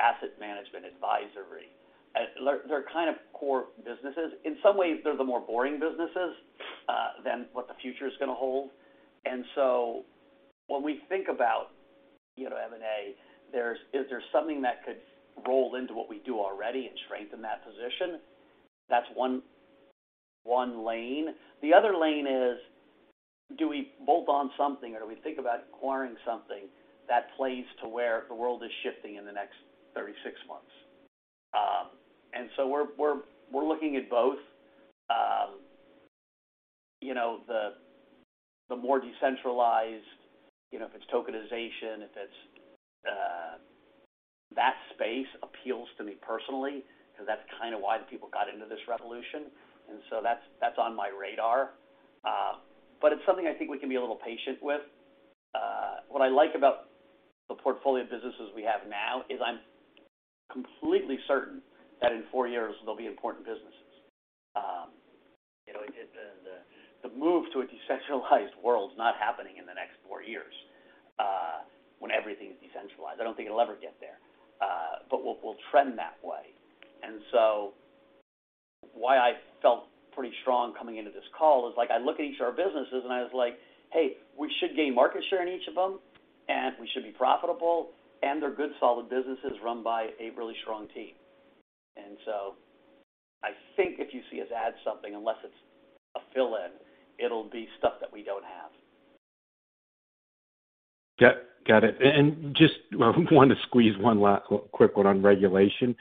asset management, advisory. They're kind of core businesses. In some ways, they're the more boring businesses than what the future is gonna hold. When we think about, you know, M&A, is there something that could roll into what we do already and strengthen that position? That's one lane. The other lane is, do we bolt on something or do we think about acquiring something that plays to where the world is shifting in the next 36 months? We're looking at both. You know, the more decentralized, you know, if it's tokenization, if it's that space appeals to me personally because that's kind of why the people got into this revolution. That's on my radar. It's something I think we can be a little patient with. What I like about the portfolio of businesses we have now is I'm completely certain that in four years they'll be important businesses. You know, the move to a decentralized world is not happening in the next four years when everything is decentralized. I don't think it'll ever get there. We'll trend that way. Why I felt pretty strong coming into this call is like I look at each of our businesses and I was like, "Hey, we should gain market share in each of them, and we should be profitable, and they're good, solid businesses run by a really strong team." I think if you see us add something, unless it's a fill-in, it'll be stuff that we don't have. Got it. Just want to squeeze one last quick one on regulation,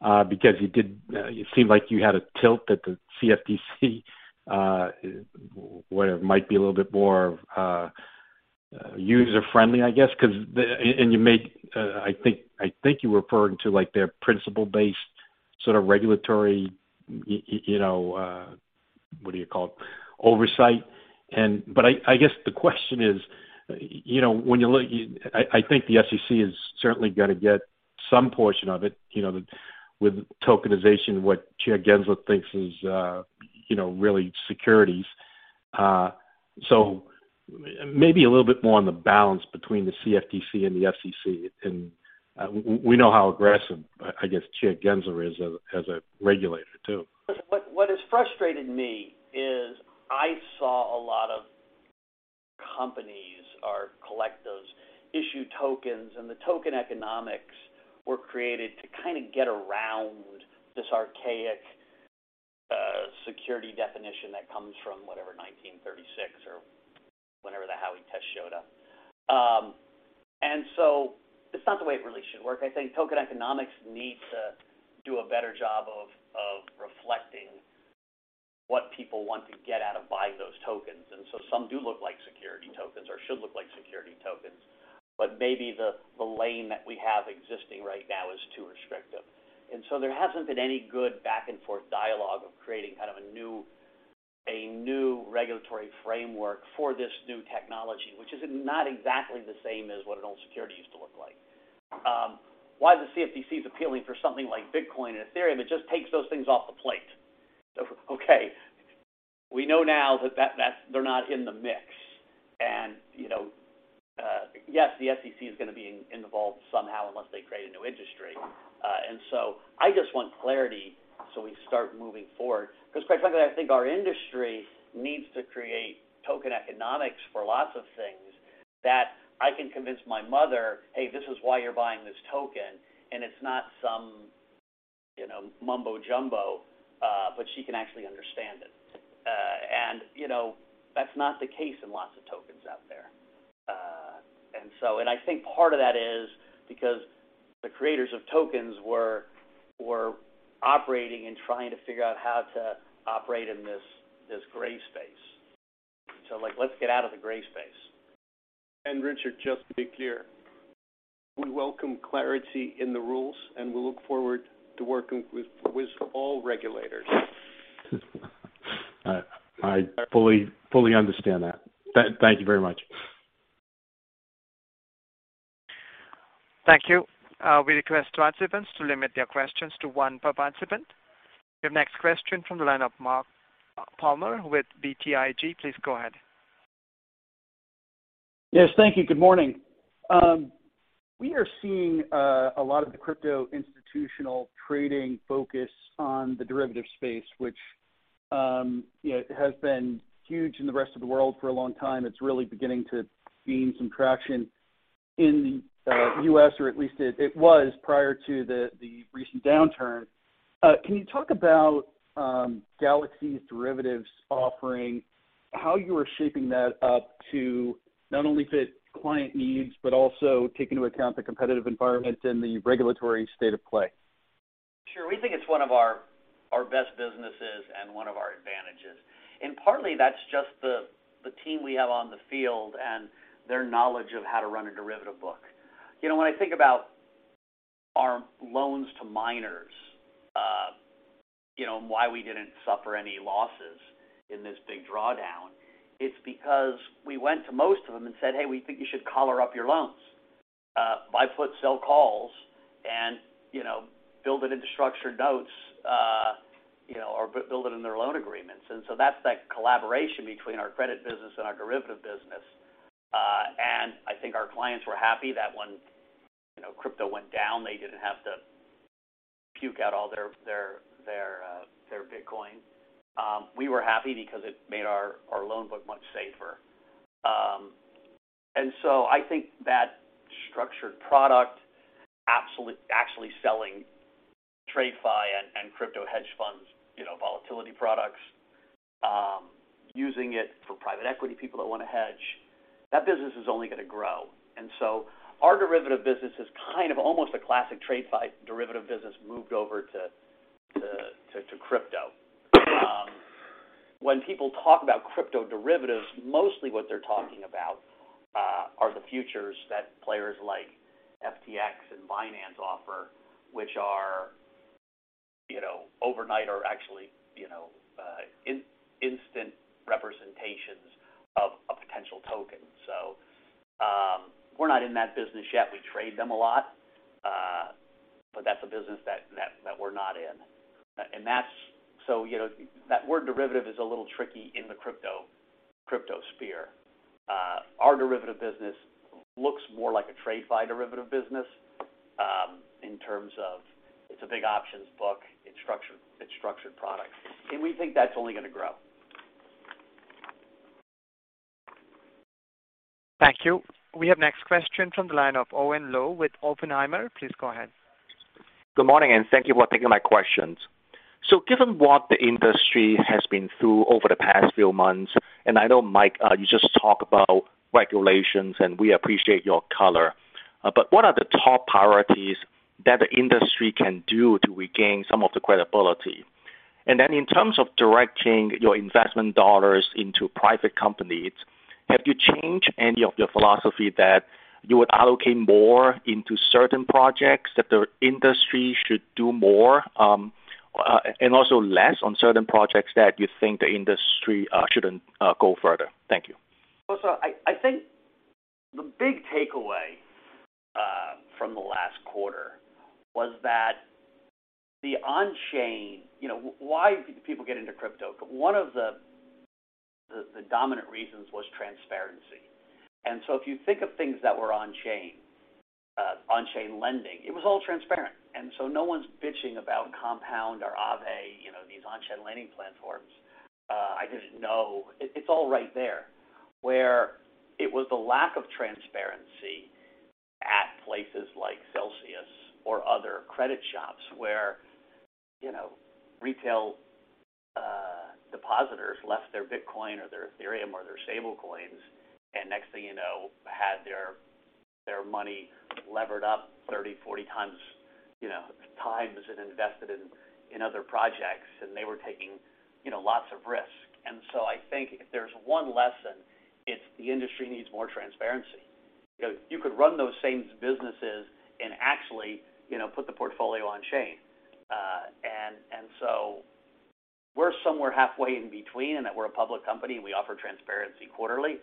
because you seemed like you had a tilt at the CFTC, where it might be a little bit more user-friendly, I guess. You made, I think you were referring to, like, their principles-based sort of regulatory, you know, what do you call it? Oversight. But I guess the question is, you know, when you look, I think the SEC is certainly gonna get some portion of it, you know, with tokenization, what Chair Gensler thinks is, you know, really securities. Maybe a little bit more on the balance between the CFTC and the SEC. We know how aggressive, I guess Chair Gensler is as a regulator too. What has frustrated me is I saw a lot of companies or collectives issue tokens, and the token economics were created to kind of get around this archaic, security definition that comes from whatever, 1936 or whenever the Howey Test showed up. That's not the way it really should work. I think token economics needs to do a better job of reflecting what people want to get out of buying those tokens. Some do look like security tokens or should look like security tokens, but maybe the lane that we have existing right now is too restrictive. There hasn't been any good back and forth dialogue of creating kind of a new regulatory framework for this new technology, which is not exactly the same as what an old security used to look like. Why the CFTC is appealing for something like Bitcoin and Ethereum. It just takes those things off the plate. Okay, we know now that they're not in the mix. You know, yes, the SEC is gonna be in the fold somehow unless they create a new industry. I just want clarity so we start moving forward. Because quite frankly, I think our industry needs to create token economics for lots of things that I can convince my mother, "Hey, this is why you're buying this token," and it's not some, you know, mumbo jumbo, but she can actually understand it. You know, that's not the case in lots of tokens out there. I think part of that is because the creators of tokens were operating and trying to figure out how to operate in this gray space. Like, let's get out of the gray space. Richard, just to be clear, we welcome clarity in the rules, and we look forward to working with all regulators. I fully understand that. Thank you very much. Thank you. We request participants to limit their questions to one per participant. Your next question from the line of Mark Palmer with BTIG. Please go ahead. Yes, thank you. Good morning. We are seeing a lot of the crypto institutional trading focus on the derivative space, which, you know, has been huge in the rest of the world for a long time. It's really beginning to gain some traction in the US, or at least it was prior to the recent downturn. Can you talk about Galaxy's derivatives offering, how you are shaping that up to not only fit client needs, but also take into account the competitive environment and the regulatory state of play? Sure. We think it's one of our best businesses and one of our advantages. Partly that's just the team we have on the field and their knowledge of how to run a derivative book. You know, when I think about our loans to miners, you know, and why we didn't suffer any losses in this big drawdown, it's because we went to most of them and said, "Hey, we think you should collar up your loans. Buy put, sell calls, and, you know, build it into structured notes, you know, or build it in their loan agreements." That's that collaboration between our credit business and our derivative business. I think our clients were happy that when, you know, crypto went down, they didn't have to puke out all their Bitcoin. We were happy because it made our loan book much safer. I think that structured product actually selling TradFi and crypto hedge funds, you know, volatility products, using it for private equity people that wanna hedge, that business is only gonna grow. Our derivative business is kind of almost a classic TradFi derivative business moved over to crypto. When people talk about crypto derivatives, mostly what they're talking about are the futures that players like FTX and Binance offer, which are, you know, overnight or actually, you know, instant representations of a potential token. We're not in that business yet. We trade them a lot, but that's a business that we're not in. That's... You know, that word derivative is a little tricky in the crypto sphere. Our derivative business looks more like a TradFi derivative business, in terms of it's a big options book, it's structured products. We think that's only gonna grow. Thank you. We have next question from the line of Owen Lau with Oppenheimer. Please go ahead. Good morning, and thank you for taking my questions. Given what the industry has been through over the past few months, and I know, Mike, you just talked about regulations, and we appreciate your color, but what are the top priorities that the industry can do to regain some of the credibility? In terms of directing your investment dollars into private companies, have you changed any of your philosophy that you would allocate more into certain projects that the industry should do more, and also less on certain projects that you think the industry shouldn't go further? Thank you. I think the big takeaway from the last quarter was that the on-chain. You know, why do people get into crypto? One of the dominant reasons was transparency. If you think of things that were on-chain, on-chain lending, it was all transparent. No one's bitching about Compound or Aave, you know, these on-chain lending platforms. I just know it's all right there. Where it was the lack of transparency at places like Celsius or other credit shops where, you know, retail depositors left their Bitcoin or their Ethereum or their stablecoins, and next thing you know, had their money levered up 30x, 40x and invested in other projects, and they were taking, you know, lots of risk. I think if there's one lesson, it's the industry needs more transparency. You know, you could run those same businesses and actually, you know, put the portfolio on-chain. We're somewhere halfway in between, in that we're a public company, we offer transparency quarterly.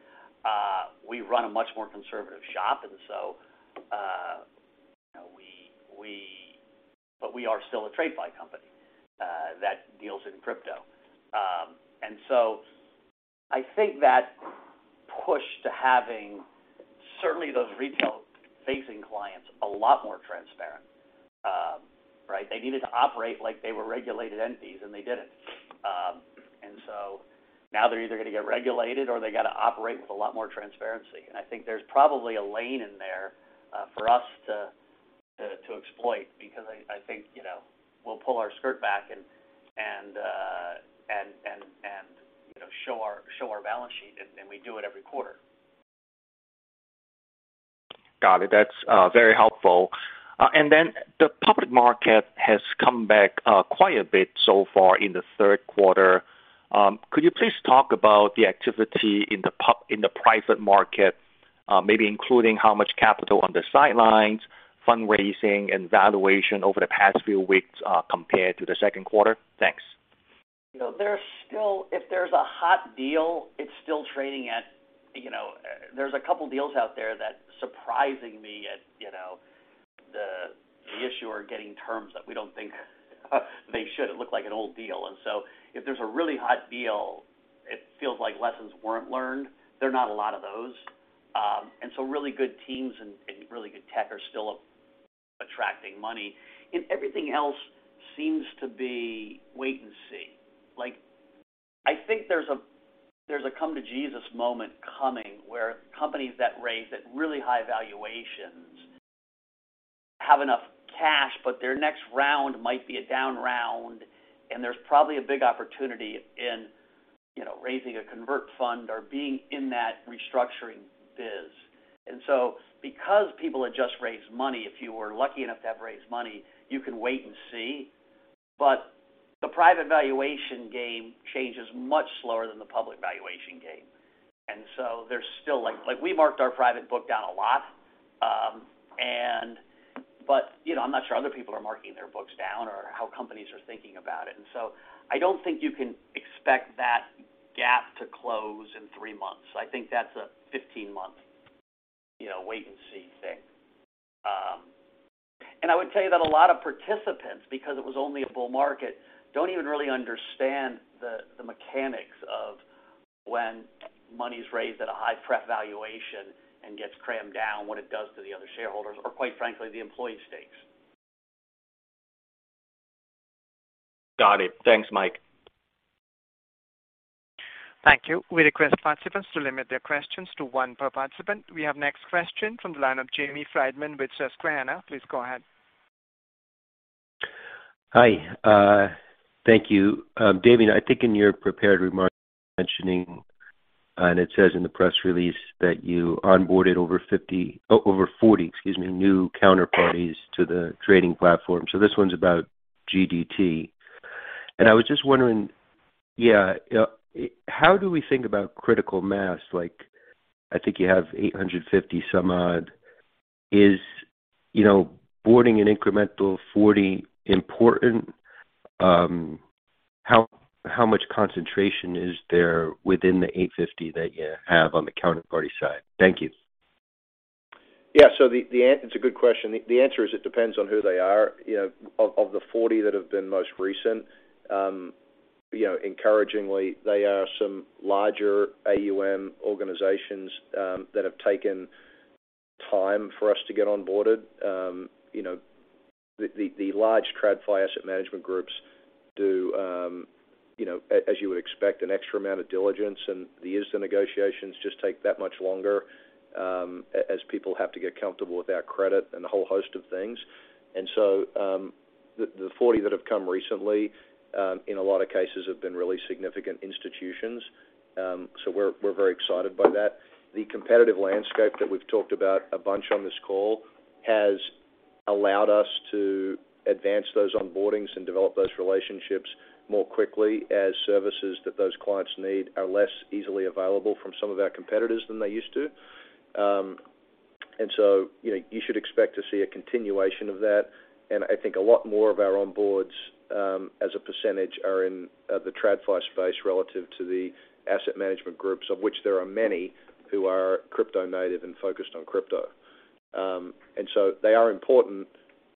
We run a much more conservative shop. We are still a TradFi company that deals in crypto. I think that push to having certainly those retail-facing clients a lot more transparent, right? They needed to operate like they were regulated entities, and they didn't. Now they're either gonna get regulated or they gotta operate with a lot more transparency. I think there's probably a lane in there for us to exploit because I think, you know, we'll pull our skirt back and, you know, show our balance sheet, and we do it every quarter. Got it. That's very helpful. The public market has come back quite a bit so far in the third quarter. Could you please talk about the activity in the private market, maybe including how much capital on the sidelines, fundraising, and valuation over the past few weeks, compared to the second quarter? Thanks. You know, there's still. If there's a hot deal, it's still trading at, you know. There's a couple deals out there that surprisingly at, you know, the issuer getting terms that we don't think they should. It looked like an old deal. If there's a really hot deal, it feels like lessons weren't learned. There are not a lot of those. Really good teams and really good tech are still attracting money. Everything else seems to be wait and see. Like, I think there's a come to Jesus moment coming where companiesthat raise at really high valuations have enough cash, but their next round might be a down round, and there's probably a big opportunity in, you know, raising a convert fund or being in that restructuring biz. Because people had just raised money, if you were lucky enough to have raised money, you can wait and see. The private valuation game changes much slower than the public valuation game. There's still, like, we marked our private book down a lot, and. You know, I'm not sure other people are marking their books down or how companies are thinking about it. I don't think you can expect that gap to close in three months. I think that's a 15-month, you know, wait and see thing. I would tell you that a lot of participants, because it was only a bull market, don't even really understand the mechanics of when money is raised at a high pre-money valuation and gets crammed down, what it does to the other shareholders or quite frankly, the employee stakes. Got it. Thanks, Mike. Thank you. We request participants to limit their questions to one per participant. We have next question from the line of Jamie Friedman with Susquehanna. Please go ahead. Hi. Thank you. Damien, I think in your prepared remarks mentioning, and it says in the press release that you onboarded over 40 new counterparties to the trading platform. This one's about GDT. I was just wondering, how do we think about critical mass? Like, I think you have 850 some odd. You know, is boarding an incremental 40 important? How much concentration is there within the 850 that you have on the counterparty side? Thank you. Yeah. It's a good question. The answer is it depends on who they are. You know, of the 40 that have been most recent, you know, encouragingly, they are some larger AUM organizations that have taken time for us to get onboarded. You know, the large TradFi asset management groups do, you know, as you would expect, an extra amount of diligence, and the ISDA negotiations just take that much longer, as people have to get comfortable with our credit and a whole host of things. The 40 that have come recently, in a lot of cases have been really significant institutions. We're very excited by that. The competitive landscape that we've talked about a bunch on this call has allowed us to advance those onboardings and develop those relationships more quickly as services that those clients need are less easily available from some of our competitors than they used to. You know, you should expect to see a continuation of that. I think a lot more of our onboards, as a percentage, are in the TradFi space relative to the asset management groups, of which there are many who are crypto-native and focused on crypto. They are important.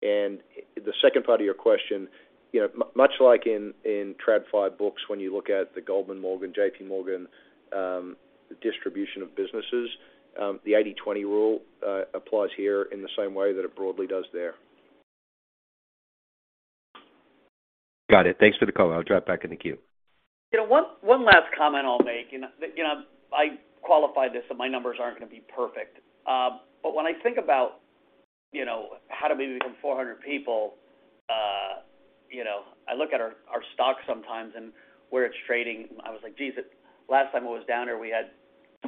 The second part of your question, you know, much like in TradFi books, when you look at the Goldman Sachs, Morgan Stanley, JP Morgan distribution of businesses, the 80/20 rule applies here in the same way that it broadly does there. Got it. Thanks for the color. I'll drop back in the queue. You know, one last comment I'll make, and you know, I qualify this, so my numbers aren't gonna be perfect. But when I think about, you know, how do we become 400 people, you know, I look at our stock sometimes and where it's trading. I was like, geez, last time it was down there we had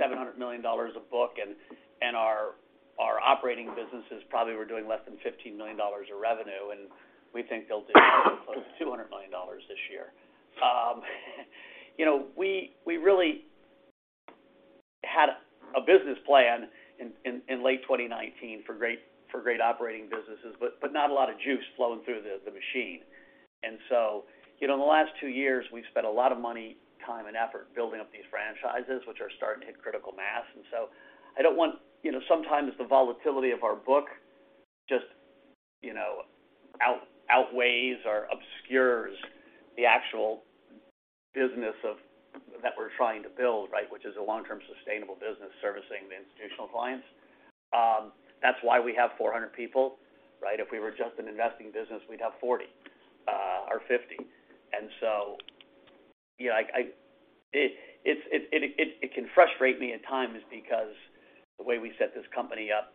$700 million of book, and our operating businesses probably were doing less than $15 million of revenue, and we think they'll do close to $200 million this year. You know, we really had a business plan in late 2019 for great operating businesses, but not a lot of juice flowing through the machine. You know, in the last two years, we've spent a lot of money, time, and effort building up these franchises, which are starting to hit critical mass. I don't want. You know, sometimes the volatility of our book just, you know, outweighs or obscures the actual business that we're trying to build, right? Which is a long-term sustainable business servicing the institutional clients. That's why we have 400 people, right? If we were just an investing business, we'd have 40 or 50. You know, I. It can frustrate me at times because the way we set this company up,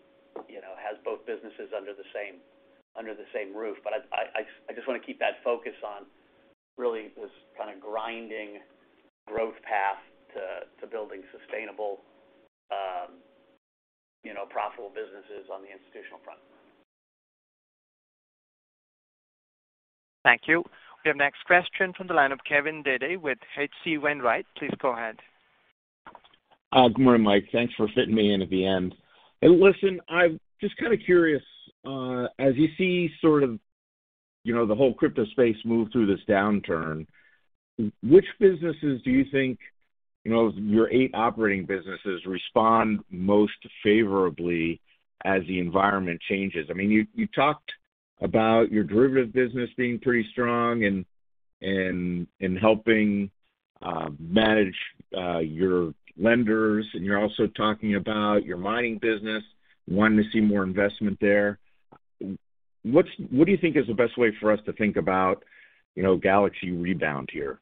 you know, has both businesses under the same roof. I just wanna keep that focus on really this kinda grinding growth path to building sustainable, you know, profitable businesses on the institutional front. Thank you. Your next question from the line of Kevin Dede with H.C. Wainwright. Please go ahead. Good morning, Mike. Thanks for fitting me in at the end. Hey, listen, I'm just kinda curious, as you see sort of, you know, the whole crypto space move through this downturn, which businesses do you think, you know, your eight operating businesses respond most favorably as the environment changes? I mean, you talked about your derivative business being pretty strong in helping manage your lenders, and you're also talking about your mining business, wanting to see more investment there. What do you think is the best way for us to think about, you know, Galaxy rebound here?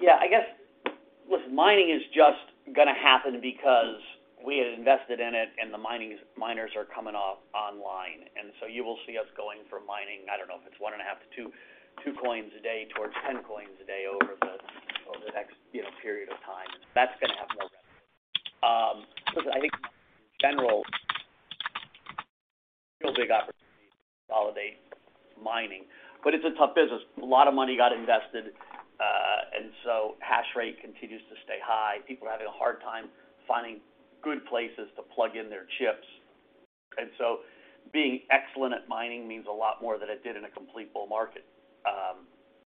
Yeah, I guess, listen, mining is just gonna happen because we had invested in it and the miners are coming off online. You will see us going from mining 1.5-2 coins a day towards 10 coins a day over the next, you know, period of time. That's gonna have more revenue. Listen, I think in general, real big opportunity to consolidate mining, but it's a tough business. A lot of money got invested and hash rate continues to stay high. People are having a hard time finding good places to plug in their chips. Being excellent at mining means a lot more than it did in a complete bull market.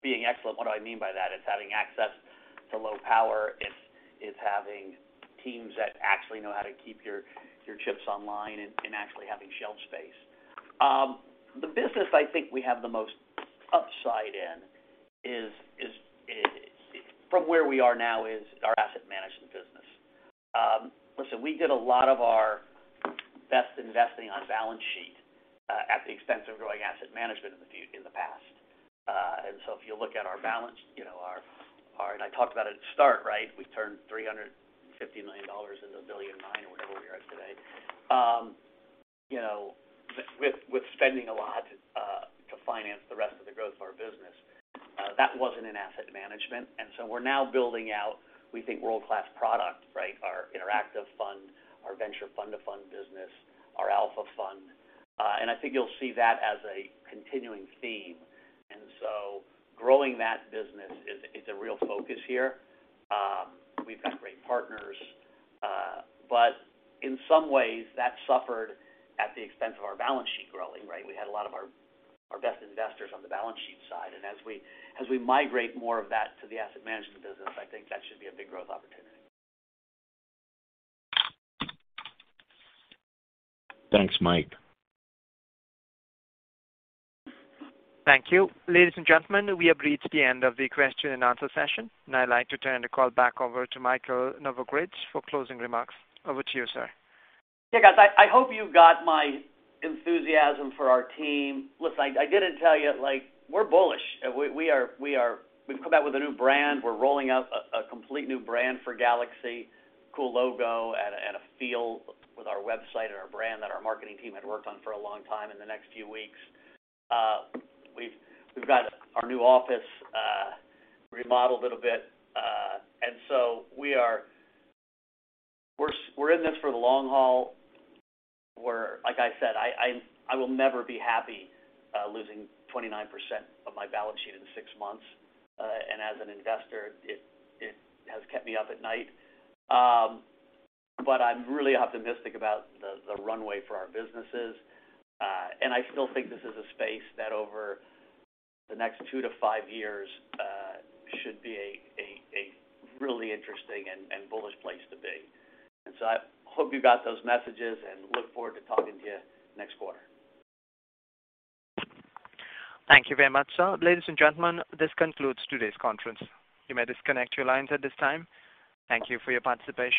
Being excellent, what do I mean by that? It's having access to low power. It's having teams that actually know how to keep your chips online and actually having shelf space. The business I think we have the most upside in is from where we are now is our asset management business. Listen, we did a lot of our best investing on balance sheet at the expense of growing asset management in the past. If you look at our balance, you know, our. I talked about it at the start, right? We've turned $350 million into $1.9 billion or whatever we are today. You know, with spending a lot to finance the rest of the growth of our business. That wasn't in asset management. We're now building out, we think, world-class product, right? Our interactive fund, our venture fund-to-fund business, our alpha fund. I think you'll see that as a continuing theme. Growing that business is, it's a real focus here. We've got great partners. In some ways, that suffered at the expense of our balance sheet growing, right? We had a lot of our best investors on the balance sheet side. As we migrate more of that to the asset management business, I think that should be a big growth opportunity. Thanks, Mike. Thank you. Ladies and gentlemen, we have reached the end of the question and answer session, and I'd like to turn the call back over to Michael Novogratz for closing remarks. Over to you, sir. Yeah, guys, I hope you got my enthusiasm for our team. Listen, I didn't tell you, like, we're bullish. We are. We've come out with a new brand. We're rolling out a complete new brand for Galaxy, cool logo and a feel with our website and our brand that our marketing team had worked on for a long time in the next few weeks. We've got our new office remodeled a little bit. We are. We're in this for the long haul. Like I said, I will never be happy losing 29% of my balance sheet in six months. As an investor, it has kept me up at night. I'm really optimistic about the runway for our businesses. I still think this is a space that over the next two to five years should be a really interesting and bullish place to be. I hope you got those messages and look forward to talking to you next quarter. Thank you very much, sir. Ladies and gentlemen, this concludes today's conference. You may disconnect your lines at this time. Thank you for your participation.